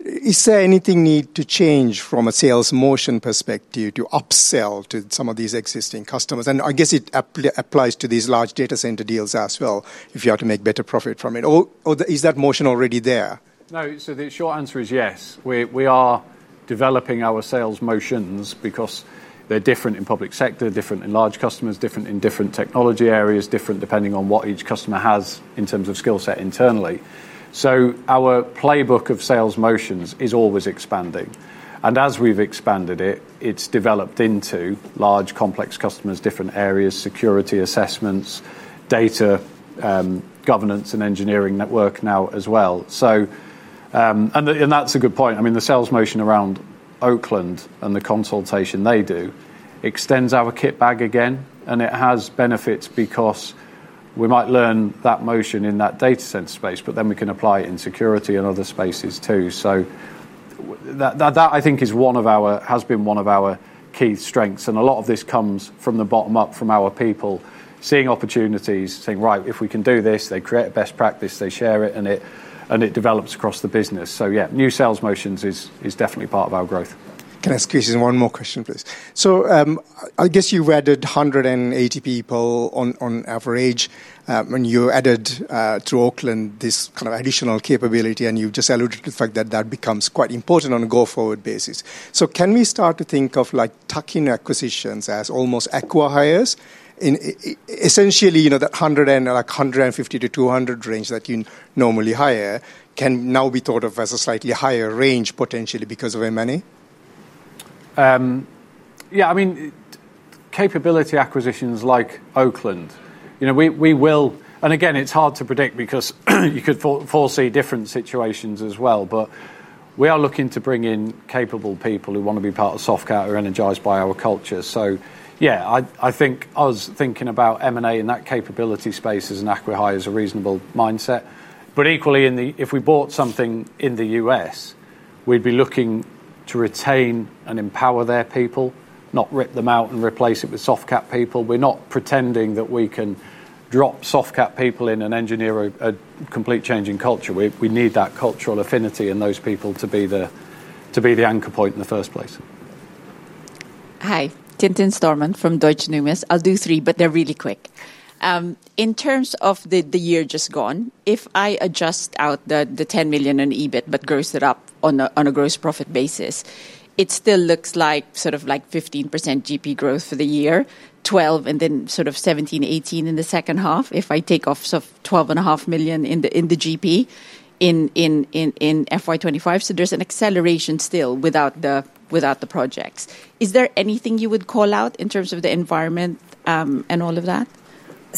is there anything needed to change from a sales motion perspective to upsell to some of these existing customers? I guess it applies to these large data center deals as well if you are to make better profit from it. Is that motion already there? No, so the short answer is yes. We are developing our sales motions because they're different in public sector, different in large customers, different in different technology areas, different depending on what each customer has in terms of skill set internally. Our playbook of sales motions is always expanding. As we've expanded it, it's developed into large complex customers, different areas, security assessments, data governance, and engineering network now as well. That's a good point. The sales motion around Oakland and the consultation they do extends our kit bag again, and it has benefits because we might learn that motion in that data center space, but then we can apply it in security and other spaces too. That has been one of our key strengths. A lot of this comes from the bottom up from our people seeing opportunities, saying, "Right, if we can do this," they create a best practice, they share it, and it develops across the business. New sales motions is definitely part of our growth. Can I ask you one more question, please? I guess you've added 180 people on average, and you added through Oakland this kind of additional capability, and you've just alluded to the fact that that becomes quite important on a go-forward basis. Can we start to think of tuck-in acquisitions as almost acquires in essentially that 100 and like 150-200 range that you normally hire can now be thought of as a slightly higher range potentially because of M&A? I mean, capability acquisitions like Oakland, we will, and again, it's hard to predict because you could foresee different situations as well, but we are looking to bring in capable people who want to be part of Softcat or energized by our culture. I think us thinking about M&A in that capability space as an acquirer is a reasonable mindset. Equally, if we bought something in the U.S., we'd be looking to retain and empower their people, not rip them out and replace it with Softcat people. We're not pretending that we can drop Softcat people in and engineer a complete change in culture. We need that cultural affinity and those people to be the anchor point in the first place. Hi, Tintin Stortmont from Deutsche Numis. I'll do three, but they're really quick. In terms of the year just gone, if I adjust out the 10 million in EBIT but gross it up on a gross profit basis, it still looks like sort of like 15% GP growth for the year, 12 and then sort of 17, 18 in the second half if I take off 12.5 million in the GP in FY 2025. There's an acceleration still without the projects. Is there anything you would call out in terms of the environment and all of that?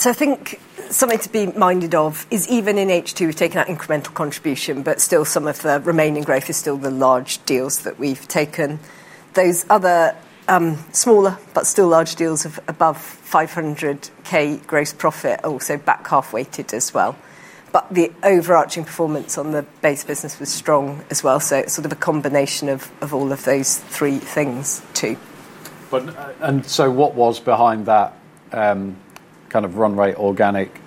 I think something to be minded of is even in H2, we've taken out incremental contribution, but still some of the remaining growth is still the large deals that we've taken. Those other smaller but still large deals of above 500,000 gross profit are also back half-weighted as well. The overarching performance on the base business was strong as well. It's sort of a combination of all of those three things too. What was behind that kind of run rate organic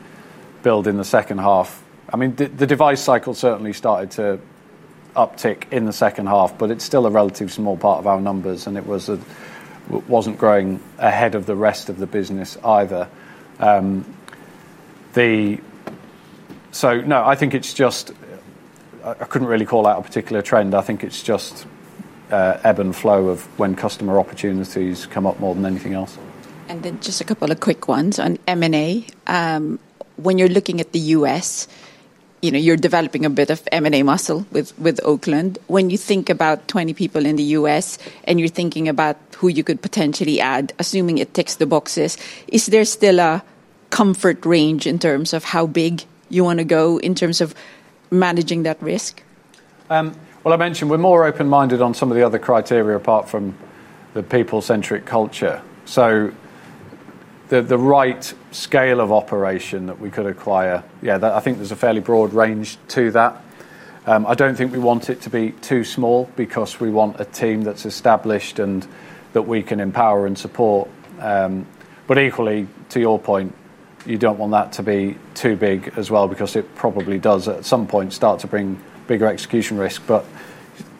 build in the second half? I mean, the device cycle certainly started to uptick in the second half, but it's still a relatively small part of our numbers, and it wasn't growing ahead of the rest of the business either. I think it's just I couldn't really call out a particular trend. I think it's just ebb and flow of when customer opportunities come up more than anything else. Just a couple of quick ones on M&A. When you're looking at the U.S., you know you're developing a bit of M&A muscle with Oakland. When you think about 20 people in the U.S. and you're thinking about who you could potentially add, assuming it ticks the boxes, is there still a comfort range in terms of how big you want to go in terms of managing that risk? I mentioned we're more open-minded on some of the other criteria apart from the people-centric culture. The right scale of operation that we could acquire, yeah, I think there's a fairly broad range to that. I don't think we want it to be too small because we want a team that's established and that we can empower and support. Equally, to your point, you don't want that to be too big as well because it probably does at some point start to bring bigger execution risk.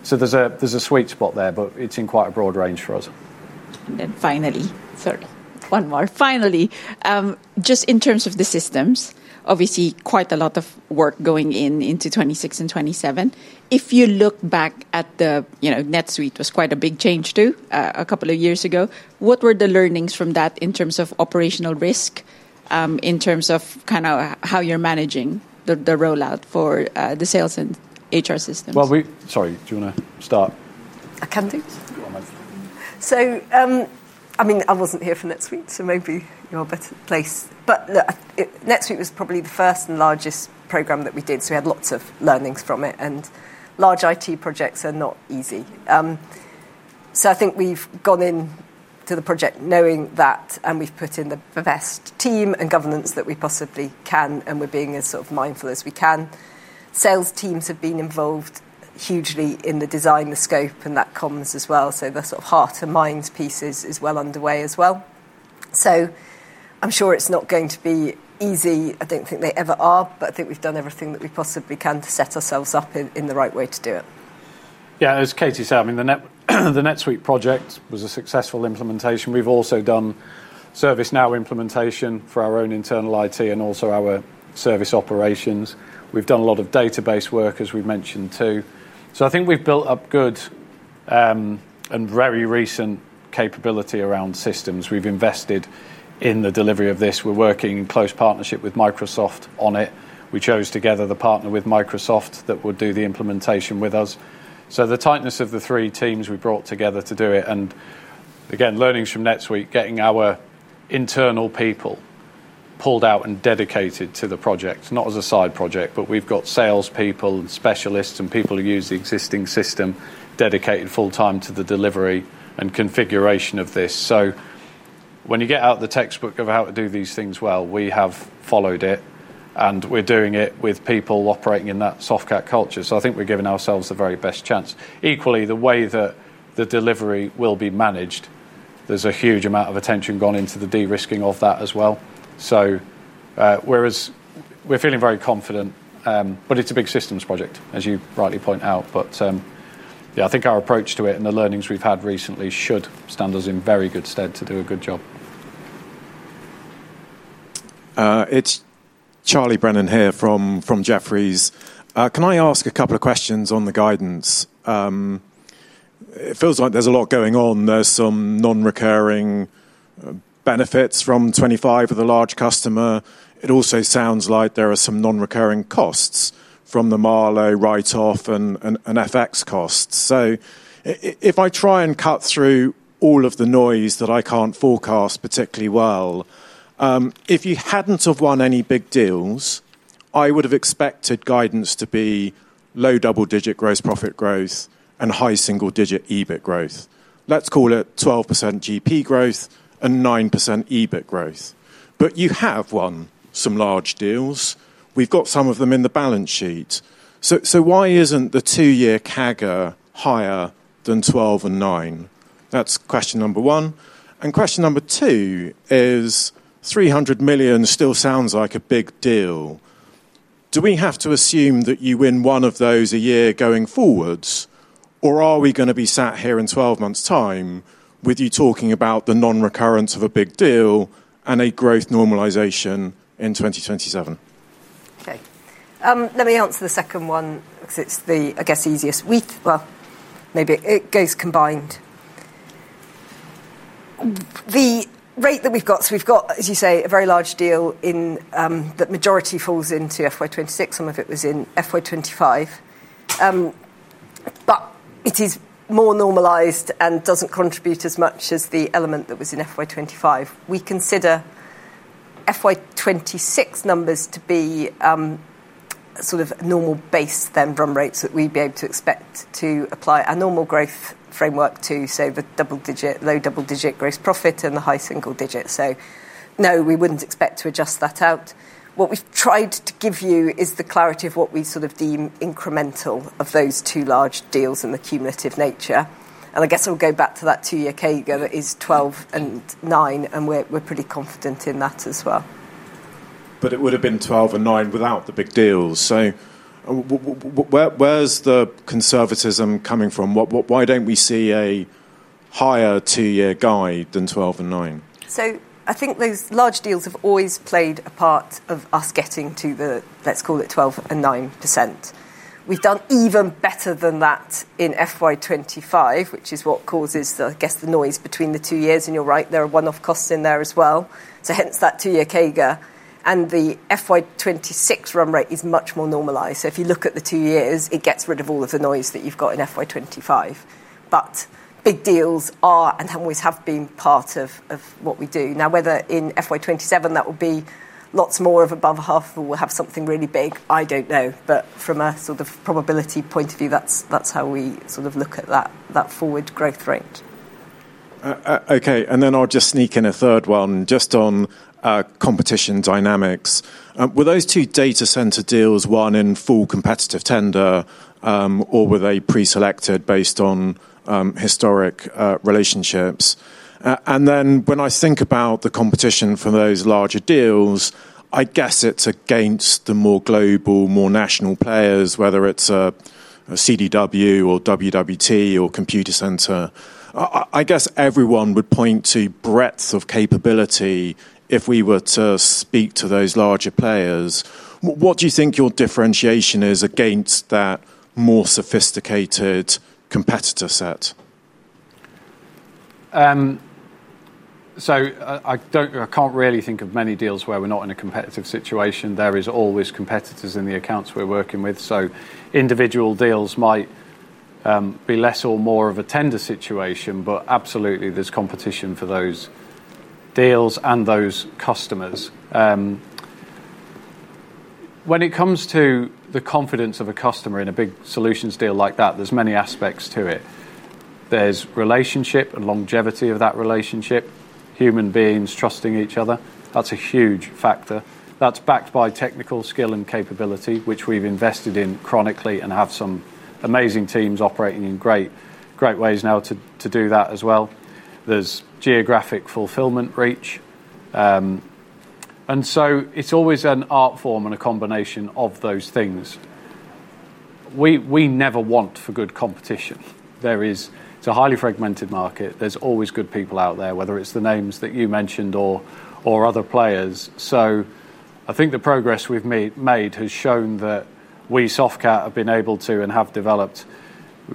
There's a sweet spot there, but it's in quite a broad range for us. Finally, just in terms of the systems, obviously quite a lot of work going in into 2026 and 2027. If you look back at the NetSuite, it was quite a big change too a couple of years ago. What were the learnings from that in terms of operational risk, in terms of kind of how you're managing the rollout for the sales and HR systems? Do you want to start? I can, please. Go on, mate. I wasn't here for NetSuite, so maybe you're better placed. NetSuite was probably the first and largest program that we did, so we had lots of learnings from it. Large IT projects are not easy. I think we've gone into the project knowing that, and we've put in the best team and governance that we possibly can, and we're being as mindful as we can. Sales teams have been involved hugely in the design, the scope, and that comms as well. The sort of heart and mind pieces are well underway as well. I'm sure it's not going to be easy. I don't think they ever are, but I think we've done everything that we possibly can to set ourselves up in the right way to do it. Yeah, as Katy said, I mean, the NetSuite project was a successful implementation. We've also done ServiceNow implementation for our own internal IT and also our service operations. We've done a lot of database work, as we mentioned too. I think we've built up good and very recent capability around systems. We've invested in the delivery of this. We're working in close partnership with Microsoft on it. We chose together the partner with Microsoft that would do the implementation with us. The tightness of the three teams we brought together to do it, and again, learnings from NetSuite, getting our internal people pulled out and dedicated to the project, not as a side project, but we've got salespeople and specialists and people who use the existing system dedicated full-time to the delivery and configuration of this. When you get out of the textbook of how to do these things well, we have followed it, and we're doing it with people operating in that Softcat culture. I think we're giving ourselves the very best chance. Equally, the way that the delivery will be managed, there's a huge amount of attention gone into the de-risking of that as well. We're feeling very confident, but it's a big systems project, as you rightly point out. I think our approach to it and the learnings we've had recently should stand us in very good stead to do a good job. It's Charlie Brennan here from Jefferies. Can I ask a couple of questions on the guidance? It feels like there's a lot going on. There's some non-recurring benefits from 25 of the large customer. It also sounds like there are some non-recurring costs from the Marlow write-off and FX costs. If I try and cut through all of the noise that I can't forecast particularly well, if you hadn't won any big deals, I would have expected guidance to be low double-digit gross profit growth and high single-digit EBIT growth. Let's call it 12% GP growth and 9% EBIT growth. You have won some large deals. We've got some of them in the balance sheet. Why isn't the two-year CAGR higher than 12% and 9%? That's question number one. Question number two is 300 million still sounds like a big deal. Do we have to assume that you win one of those a year going forwards, or are we going to be sat here in 12 months' time with you talking about the non-recurrence of a big deal and a growth normalization in 2027? Okay. Let me answer the second one because it's the, I guess, easiest. Maybe it goes combined. The rate that we've got, so we've got, as you say, a very large deal in that majority falls into FY 2026. Some of it was in FY 2025, but it is more normalized and doesn't contribute as much as the element that was in FY 2025. We consider FY 2026 numbers to be sort of a normal base then run rates that we'd be able to expect to apply a normal growth framework to, say, the double-digit, low double-digit gross profit and the high single digit. No, we wouldn't expect to adjust that out. What we've tried to give you is the clarity of what we sort of deem incremental of those two large deals and the cumulative nature. I guess I'll go back to that two-year CAGR that is 12 and 9, and we're pretty confident in that as well. It would have been 12 and 9 without the big deals. Where's the conservatism coming from? Why don't we see a higher two-year guide than 12 and 9? I think those large deals have always played a part of us getting to the, let's call it 12% and 9%. We've done even better than that in FY 2025, which is what causes, I guess, the noise between the two years. You're right, there are one-off costs in there as well, hence that two-year CAGR. The FY 2026 run rate is much more normalized. If you look at the two years, it gets rid of all of the noise that you've got in FY 2025. Big deals are and always have been part of what we do. Now, whether in FY 2027 that will be lots more of above half or we'll have something really big, I don't know. From a sort of probability point of view, that's how we sort of look at that forward growth rate. Okay. I'll just sneak in a third one on competition dynamics. Were those two data center deals won in full competitive tender, or were they pre-selected based on historic relationships? When I think about the competition from those larger deals, I guess it's against the more global, more national players, whether it's a CDW or WWT or Computacenter. I guess everyone would point to breadth of capability if we were to speak to those larger players. What do you think your differentiation is against that more sophisticated competitor set? I can't really think of many deals where we're not in a competitive situation. There are always competitors in the accounts we're working with. Individual deals might be less or more of a tender situation, but absolutely there's competition for those deals and those customers. When it comes to the confidence of a customer in a big solutions deal like that, there are many aspects to it. There's relationship and longevity of that relationship, human beings trusting each other. That's a huge factor. That's backed by technical skill and capability, which we've invested in chronically and have some amazing teams operating in great ways now to do that as well. There's geographic fulfillment reach, and it's always an art form and a combination of those things. We never want for good competition. There is a highly fragmented market. There are always good people out there, whether it's the names that you mentioned or other players. I think the progress we've made has shown that we at Softcat have been able to and have developed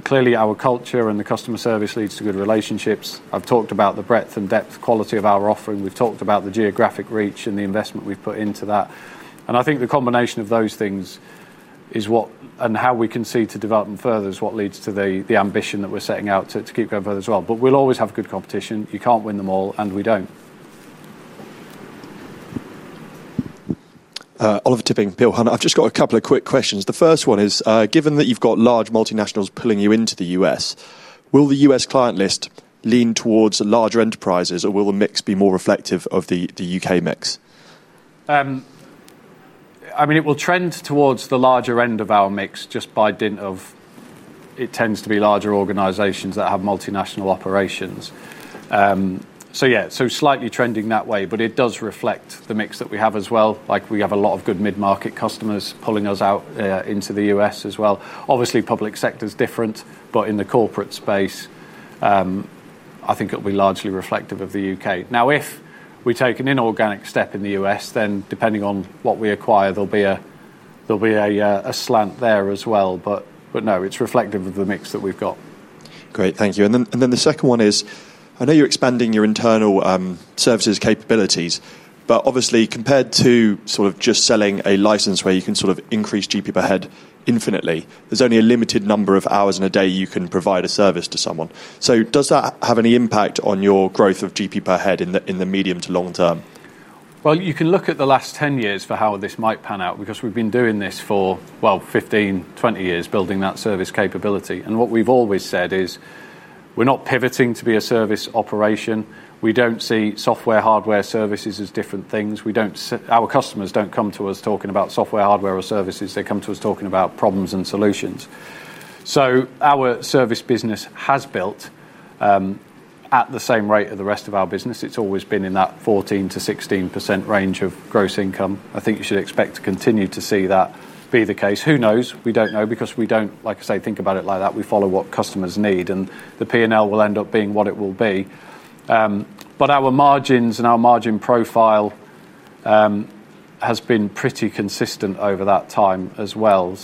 clearly our culture, and the customer service leads to good relationships. I've talked about the breadth and depth quality of our offering. We've talked about the geographic reach and the investment we've put into that. I think the combination of those things is what and how we can see to develop them further is what leads to the ambition that we're setting out to keep going further as well. We'll always have good competition. You can't win them all, and we don't. Oliver Tipping at Peel Hunter. I've just got a couple of quick questions. The first one is, given that you've got large multinationals pulling you into the U.S., will the U.S. client list lean towards larger enterprises, or will the mix be more reflective of the U.K mix? It will trend towards the larger end of our mix just by dint of it tends to be larger organizations that have multinational operations. Yeah, slightly trending that way, but it does reflect the mix that we have as well. We have a lot of good mid-market customers pulling us out into the U.S. as well. Obviously, public sector is different, but in the corporate space, I think it'll be largely reflective of the U.K. If we take an inorganic step in the U.S, then depending on what we acquire, there'll be a slant there as well. No, it's reflective of the mix that we've got. Great, thank you. The second one is, I know you're expanding your internal services capabilities, but obviously compared to just selling a license where you can increase GP per head infinitely, there's only a limited number of hours in a day you can provide a service to someone. Does that have any impact on your growth of GP per head in the medium to long term? You can look at the last 10 years for how this might pan out because we've been doing this for 15, 20 years building that service capability. What we've always said is we're not pivoting to be a service operation. We don't see software, hardware, services as different things. Our customers don't come to us talking about software, hardware, or services. They come to us talking about problems and solutions. Our service business has built at the same rate of the rest of our business. It's always been in that 14%-16% range of gross income. I think you should expect to continue to see that be the case. Who knows? We don't know because we don't, like I say, think about it like that. We follow what customers need, and the P&L will end up being what it will be. Our margins and our margin profile has been pretty consistent over that time as well.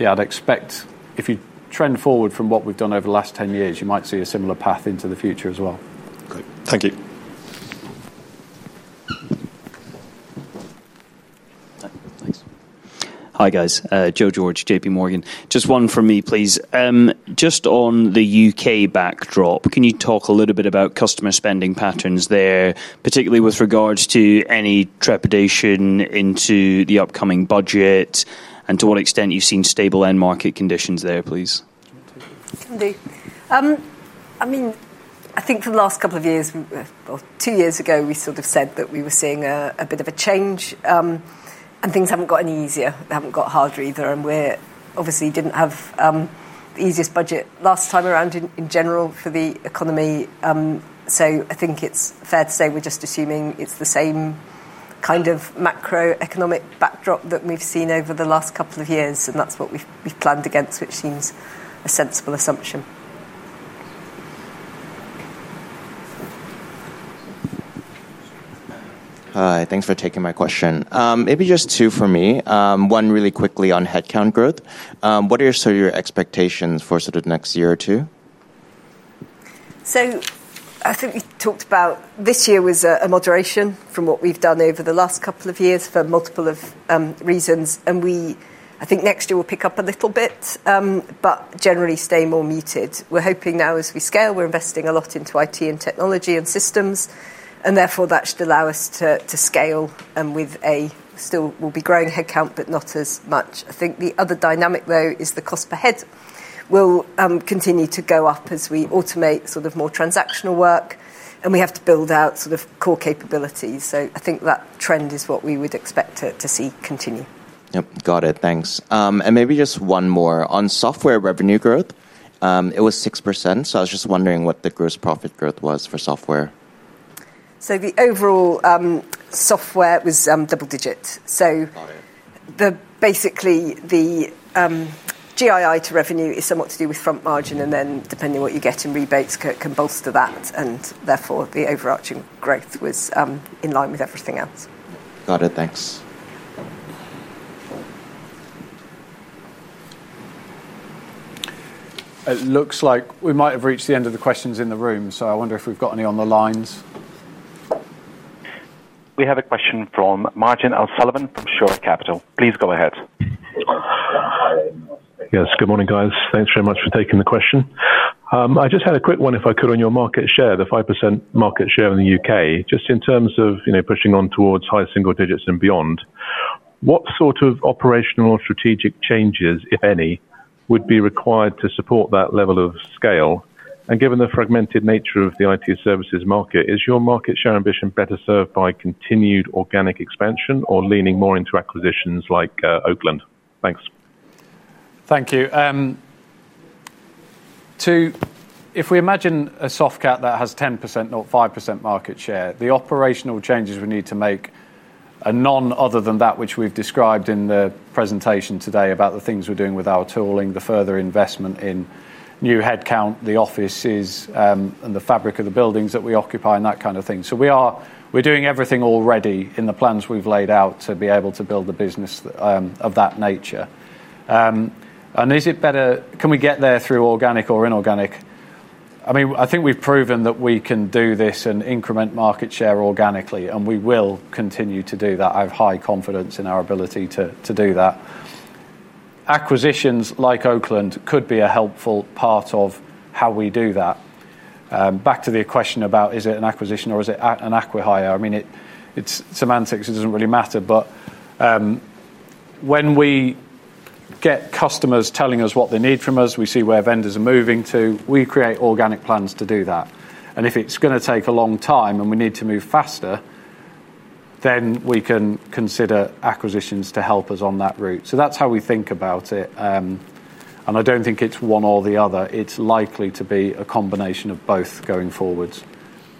I'd expect if you trend forward from what we've done over the last 10 years, you might see a similar path into the future as well. Great, thank you. Hi, guys. Joe George, JPMorgan. Just one from me, please. Just on the U.K. backdrop, can you talk a little bit about customer spending patterns there, particularly with regards to any trepidation into the upcoming budget and to what extent you've seen stable end market conditions there, please? I think for the last couple of years, or two years ago, we sort of said that we were seeing a bit of a change, and things haven't got any easier. They haven't got harder either. We obviously didn't have the easiest budget last time around in general for the economy. I think it's fair to say we're just assuming it's the same kind of macroeconomic backdrop that we've seen over the last couple of years. That's what we've planned against, which seems a sensible assumption. Hi, thanks for taking my question. Maybe just two for me. One really quickly on headcount growth. What are your expectations for sort of next year or two? I think we talked about this year was a moderation from what we've done over the last couple of years for multiple reasons. I think next year we'll pick up a little bit, but generally stay more muted. We're hoping now as we scale, we're investing a lot into IT and technology and systems. Therefore, that should allow us to scale with a still we'll be growing headcount, but not as much. I think the other dynamic though is the cost per head will continue to go up as we automate sort of more transactional work. We have to build out sort of core capabilities. I think that trend is what we would expect to see continue. Yep, got it. Thanks. Maybe just one more on software revenue growth. It was 6%. I was just wondering what the gross profit growth was for software. The overall software was double digit. Basically, the GII to revenue is somewhat to do with front margin, and then depending on what you get in rebates, can bolster that. Therefore, the overarching growth was in line with everything else. Got it. Thanks. It looks like we might have reached the end of the questions in the room. I wonder if we've got any on the lines. We have a question from Marjan Salaman from Channel Capital. Please go ahead. Yes, good morning guys. Thanks very much for taking the question. I just had a quick one, if I could, on your market share, the 5% market share in the UK. Just in terms of pushing on towards high single digits and beyond, what sort of operational or strategic changes, if any, would be required to support that level of scale? Given the fragmented nature of the IT services market, is your market share ambition better served by continued organic expansion or leaning more into acquisitions like Oakland? Thanks. Thank you. If we imagine a Softcat that has 10%, not 5% market share, the operational changes we need to make are none other than that which we've described in the presentation today about the things we're doing with our tooling, the further investment in new headcount, the offices, and the fabric of the buildings that we occupy, and that kind of thing. We're doing everything already in the plans we've laid out to be able to build the business of that nature. Is it better, can we get there through organic or inorganic? I mean, I think we've proven that we can do this and increment market share organically, and we will continue to do that. I have high confidence in our ability to do that. Acquisitions like Oakland could be a helpful part of how we do that. Back to the question about is it an acquisition or is it an acquire, I mean, it's semantics, isn't it? Matter, When we get customers telling us what they need from us, we see where vendors are moving to. We create organic plans to do that. If it's going to take a long time and we need to move faster, we can consider acquisitions to help us on that route. That is how we think about it. I don't think it's one or the other. It is likely to be a combination of both going forwards.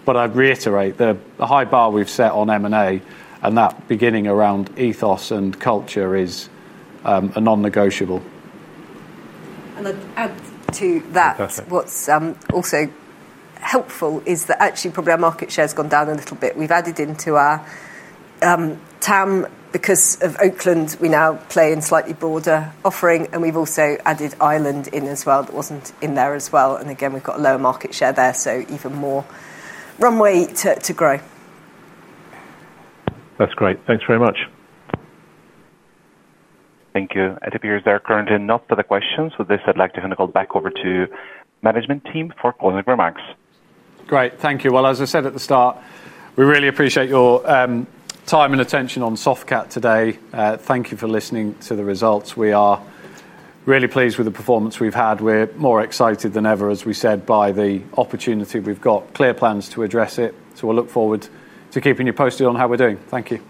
I'd reiterate the high bar we've set on M&A, and that beginning around ethos and culture is a non-negotiable. I'd add to that, what's also helpful is that actually probably our market share has gone down a little bit. We've added into our TAM because of Oakland. We now play in slightly broader offering, and we've also added Ireland in as well that wasn't in there as well. We've got a lower market share there, so even more runway to grow. That's great. Thanks very much. Thank you. It appears there are currently no further questions. With this, I'd like to hand the call back over to the management team for closing remarks. Thank you. As I said at the start, we really appreciate your time and attention on Softcat today. Thank you for listening to the results. We are really pleased with the performance we've had. We're more excited than ever, as we said, by the opportunity. We've got clear plans to address it. We look forward to keeping you posted on how we're doing. Thank you.